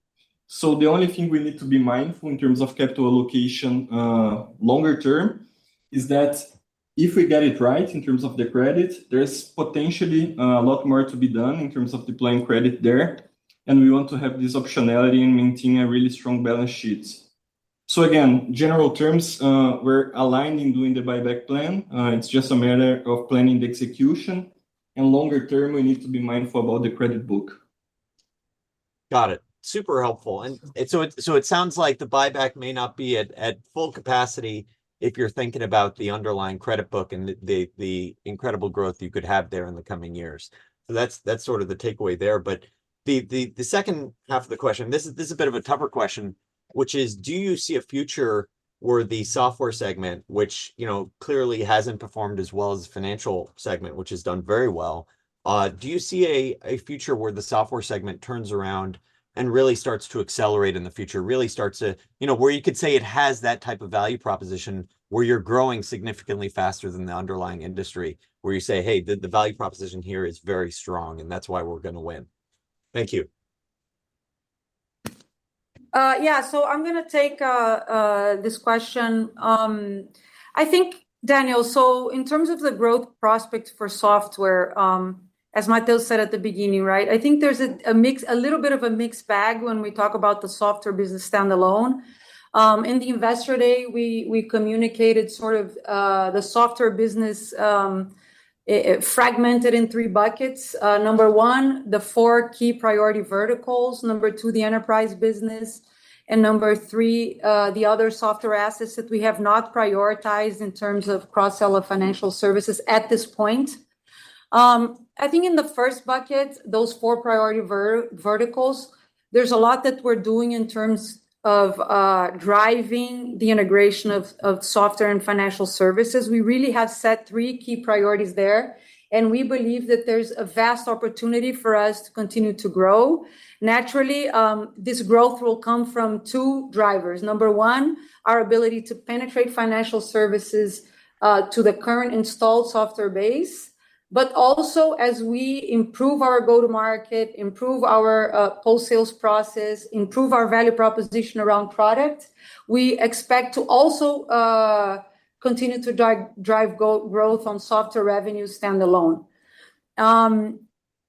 So the only thing we need to be mindful in terms of capital allocation longer term is that if we get it right in terms of the credit, there's potentially a lot more to be done in terms of deploying credit there. And we want to have this optionality and maintain a really strong balance sheet. So again, general terms, we're aligned in doing the buyback plan. It's just a matter of planning the execution. And longer term, we need to be mindful about the credit book. Got it. Super helpful. So it sounds like the buyback may not be at full capacity if you're thinking about the underlying credit book and the incredible growth you could have there in the coming years. That's sort of the takeaway there. But the second half of the question, this is a bit of a tougher question, which is, do you see a future where the software segment, which clearly hasn't performed as well as the financial segment, which has done very well, do you see a future where the software segment turns around and really starts to accelerate in the future, really starts to where you could say it has that type of value proposition where you're growing significantly faster than the underlying industry, where you say, "Hey, the value proposition here is very strong, and that's why we're going to win"? Thank you. Yeah. So I'm going to take this question. I think, Daniel, so in terms of the growth prospects for software, as Mateus said at the beginning, right, I think there's a little bit of a mixed bag when we talk about the software business standalone. On the Investor Day, we communicated sort of the software business fragmented in three buckets. Number one, the four key priority verticals. Number two, the enterprise business. And number three, the other software assets that we have not prioritized in terms of cross-sell financial services at this point. I think in the first bucket, those four priority verticals, there's a lot that we're doing in terms of driving the integration of software and financial services. We really have set three key priorities there. And we believe that there's a vast opportunity for us to continue to grow. Naturally, this growth will come from two drivers. Number one, our ability to penetrate financial services to the current installed software base. But also, as we improve our go-to-market, improve our wholesale process, improve our value proposition around product, we expect to also continue to drive growth on software revenue standalone.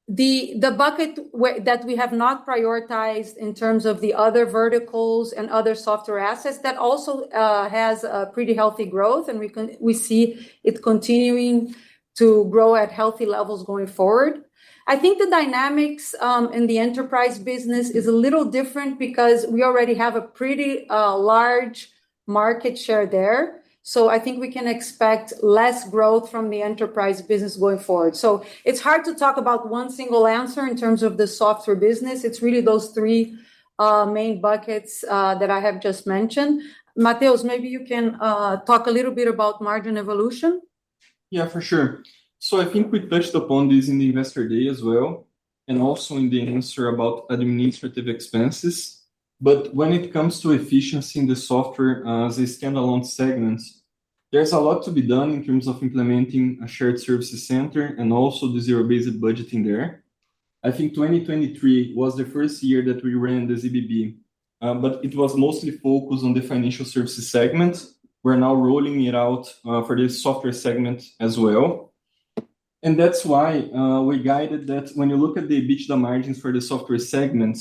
The bucket that we have not prioritized in terms of the other verticals and other software assets, that also has pretty healthy growth, and we see it continuing to grow at healthy levels going forward. I think the dynamics in the enterprise business is a little different because we already have a pretty large market share there. So I think we can expect less growth from the enterprise business going forward. So it's hard to talk about one single answer in terms of the software business. It's really those three main buckets that I have just mentioned. Mateus, maybe you can talk a little bit about margin evolution. Yeah, for sure. So I think we touched upon this on the Investor Day as well and also in the answer about administrative expenses. But when it comes to efficiency in the software as a standalone segment, there's a lot to be done in terms of implementing a shared service center and also the zero-based budgeting there. I think 2023 was the first year that we ran the ZBB, but it was mostly focused on the financial services segment. We're now rolling it out for the software segment as well. And that's why we guided that when you look at the EBITDA margins for the software segment,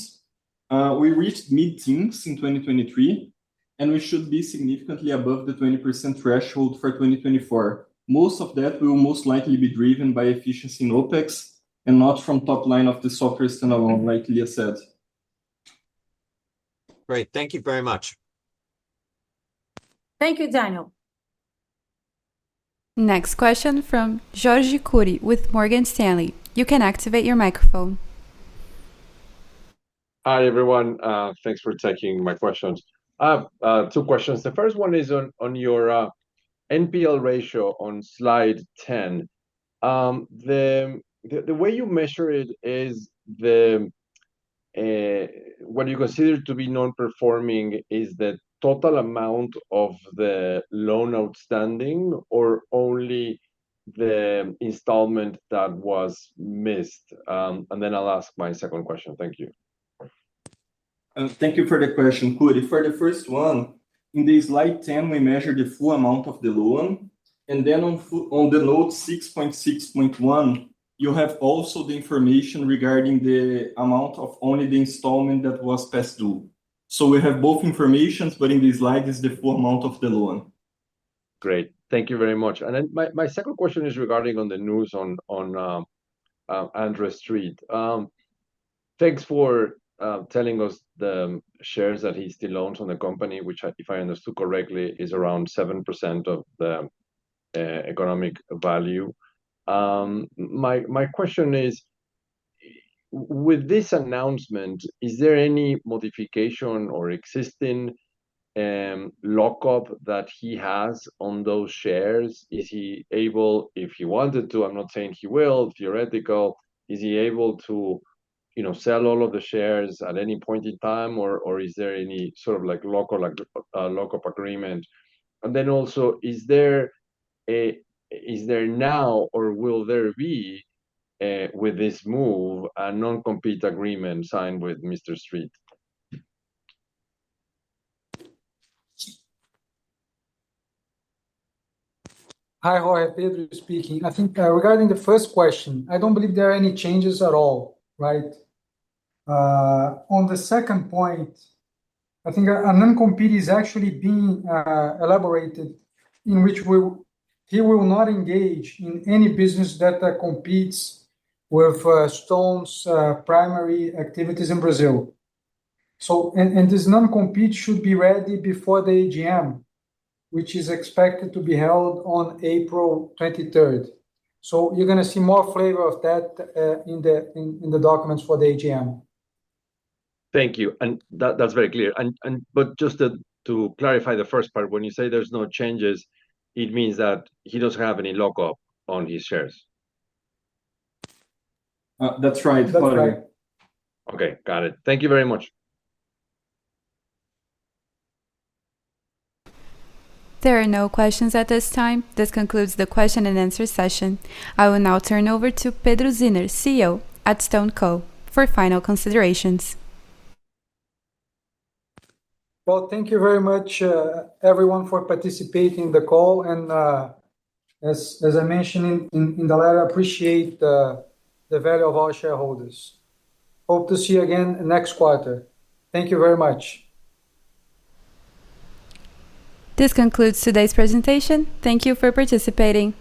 we reached mid-teens in 2023, and we should be significantly above the 20% threshold for 2024. Most of that will most likely be driven by efficiency in OPEX and not from top line of the software standalone, like Lia said. Great. Thank you very much. Thank you, Daniel. Next question from Jorge Kuri with Morgan Stanley. You can activate your microphone. Hi, everyone. Thanks for taking my questions. Two questions. The first one is on your NPL ratio on Slide 10. The way you measure it is what you consider to be non-performing is the total amount of the loan outstanding or only the installment that was missed. And then I'll ask my second question. Thank you. Thank you for the question, Kuri. For the first one, in the Slide 10, we measure the full amount of the loan. And then on the note 6.6.1, you have also the information regarding the amount of only the installment that was past due. So we have both informations, but in the Slide is the full amount of the loan. Great. Thank you very much. And then my second question is regarding the news on André Street. Thanks for telling us the shares that he still owns on the company, which, if I understood correctly, is around 7% of the economic value. My question is, with this announcement, is there any modification or existing lockup that he has on those shares? Is he able, if he wanted to? I'm not saying he will, theoretical. Is he able to sell all of the shares at any point in time, or is there any sort of lockup agreement? And then also, is there now or will there be, with this move, a non-compete agreement signed with Mr. Street? Hi, Jorge. Pedro speaking. I think regarding the first question, I don't believe there are any changes at all, right? On the second point, I think a non-compete is actually being elaborated in which he will not engage in any business that competes with Stone's primary activities in Brazil. And this non-compete should be ready before the AGM, which is expected to be held on April 23rd. So you're going to see more flavor of that in the documents for the AGM. Thank you. And that's very clear. But just to clarify the first part, when you say there's no changes, it means that he doesn't have any lockup on his shares? That's right. That's right. Okay. Got it. Thank you very much. There are no questions at this time. This concludes the question-and-answer session. I will now turn over to Pedro Zinner, CEO at StoneCo, for final considerations. Well, thank you very much, everyone, for participating in the call. As I mentioned in the letter, I appreciate the value of our shareholders. Hope to see you again next quarter. Thank you very much. This concludes today's presentation. Thank you for participating.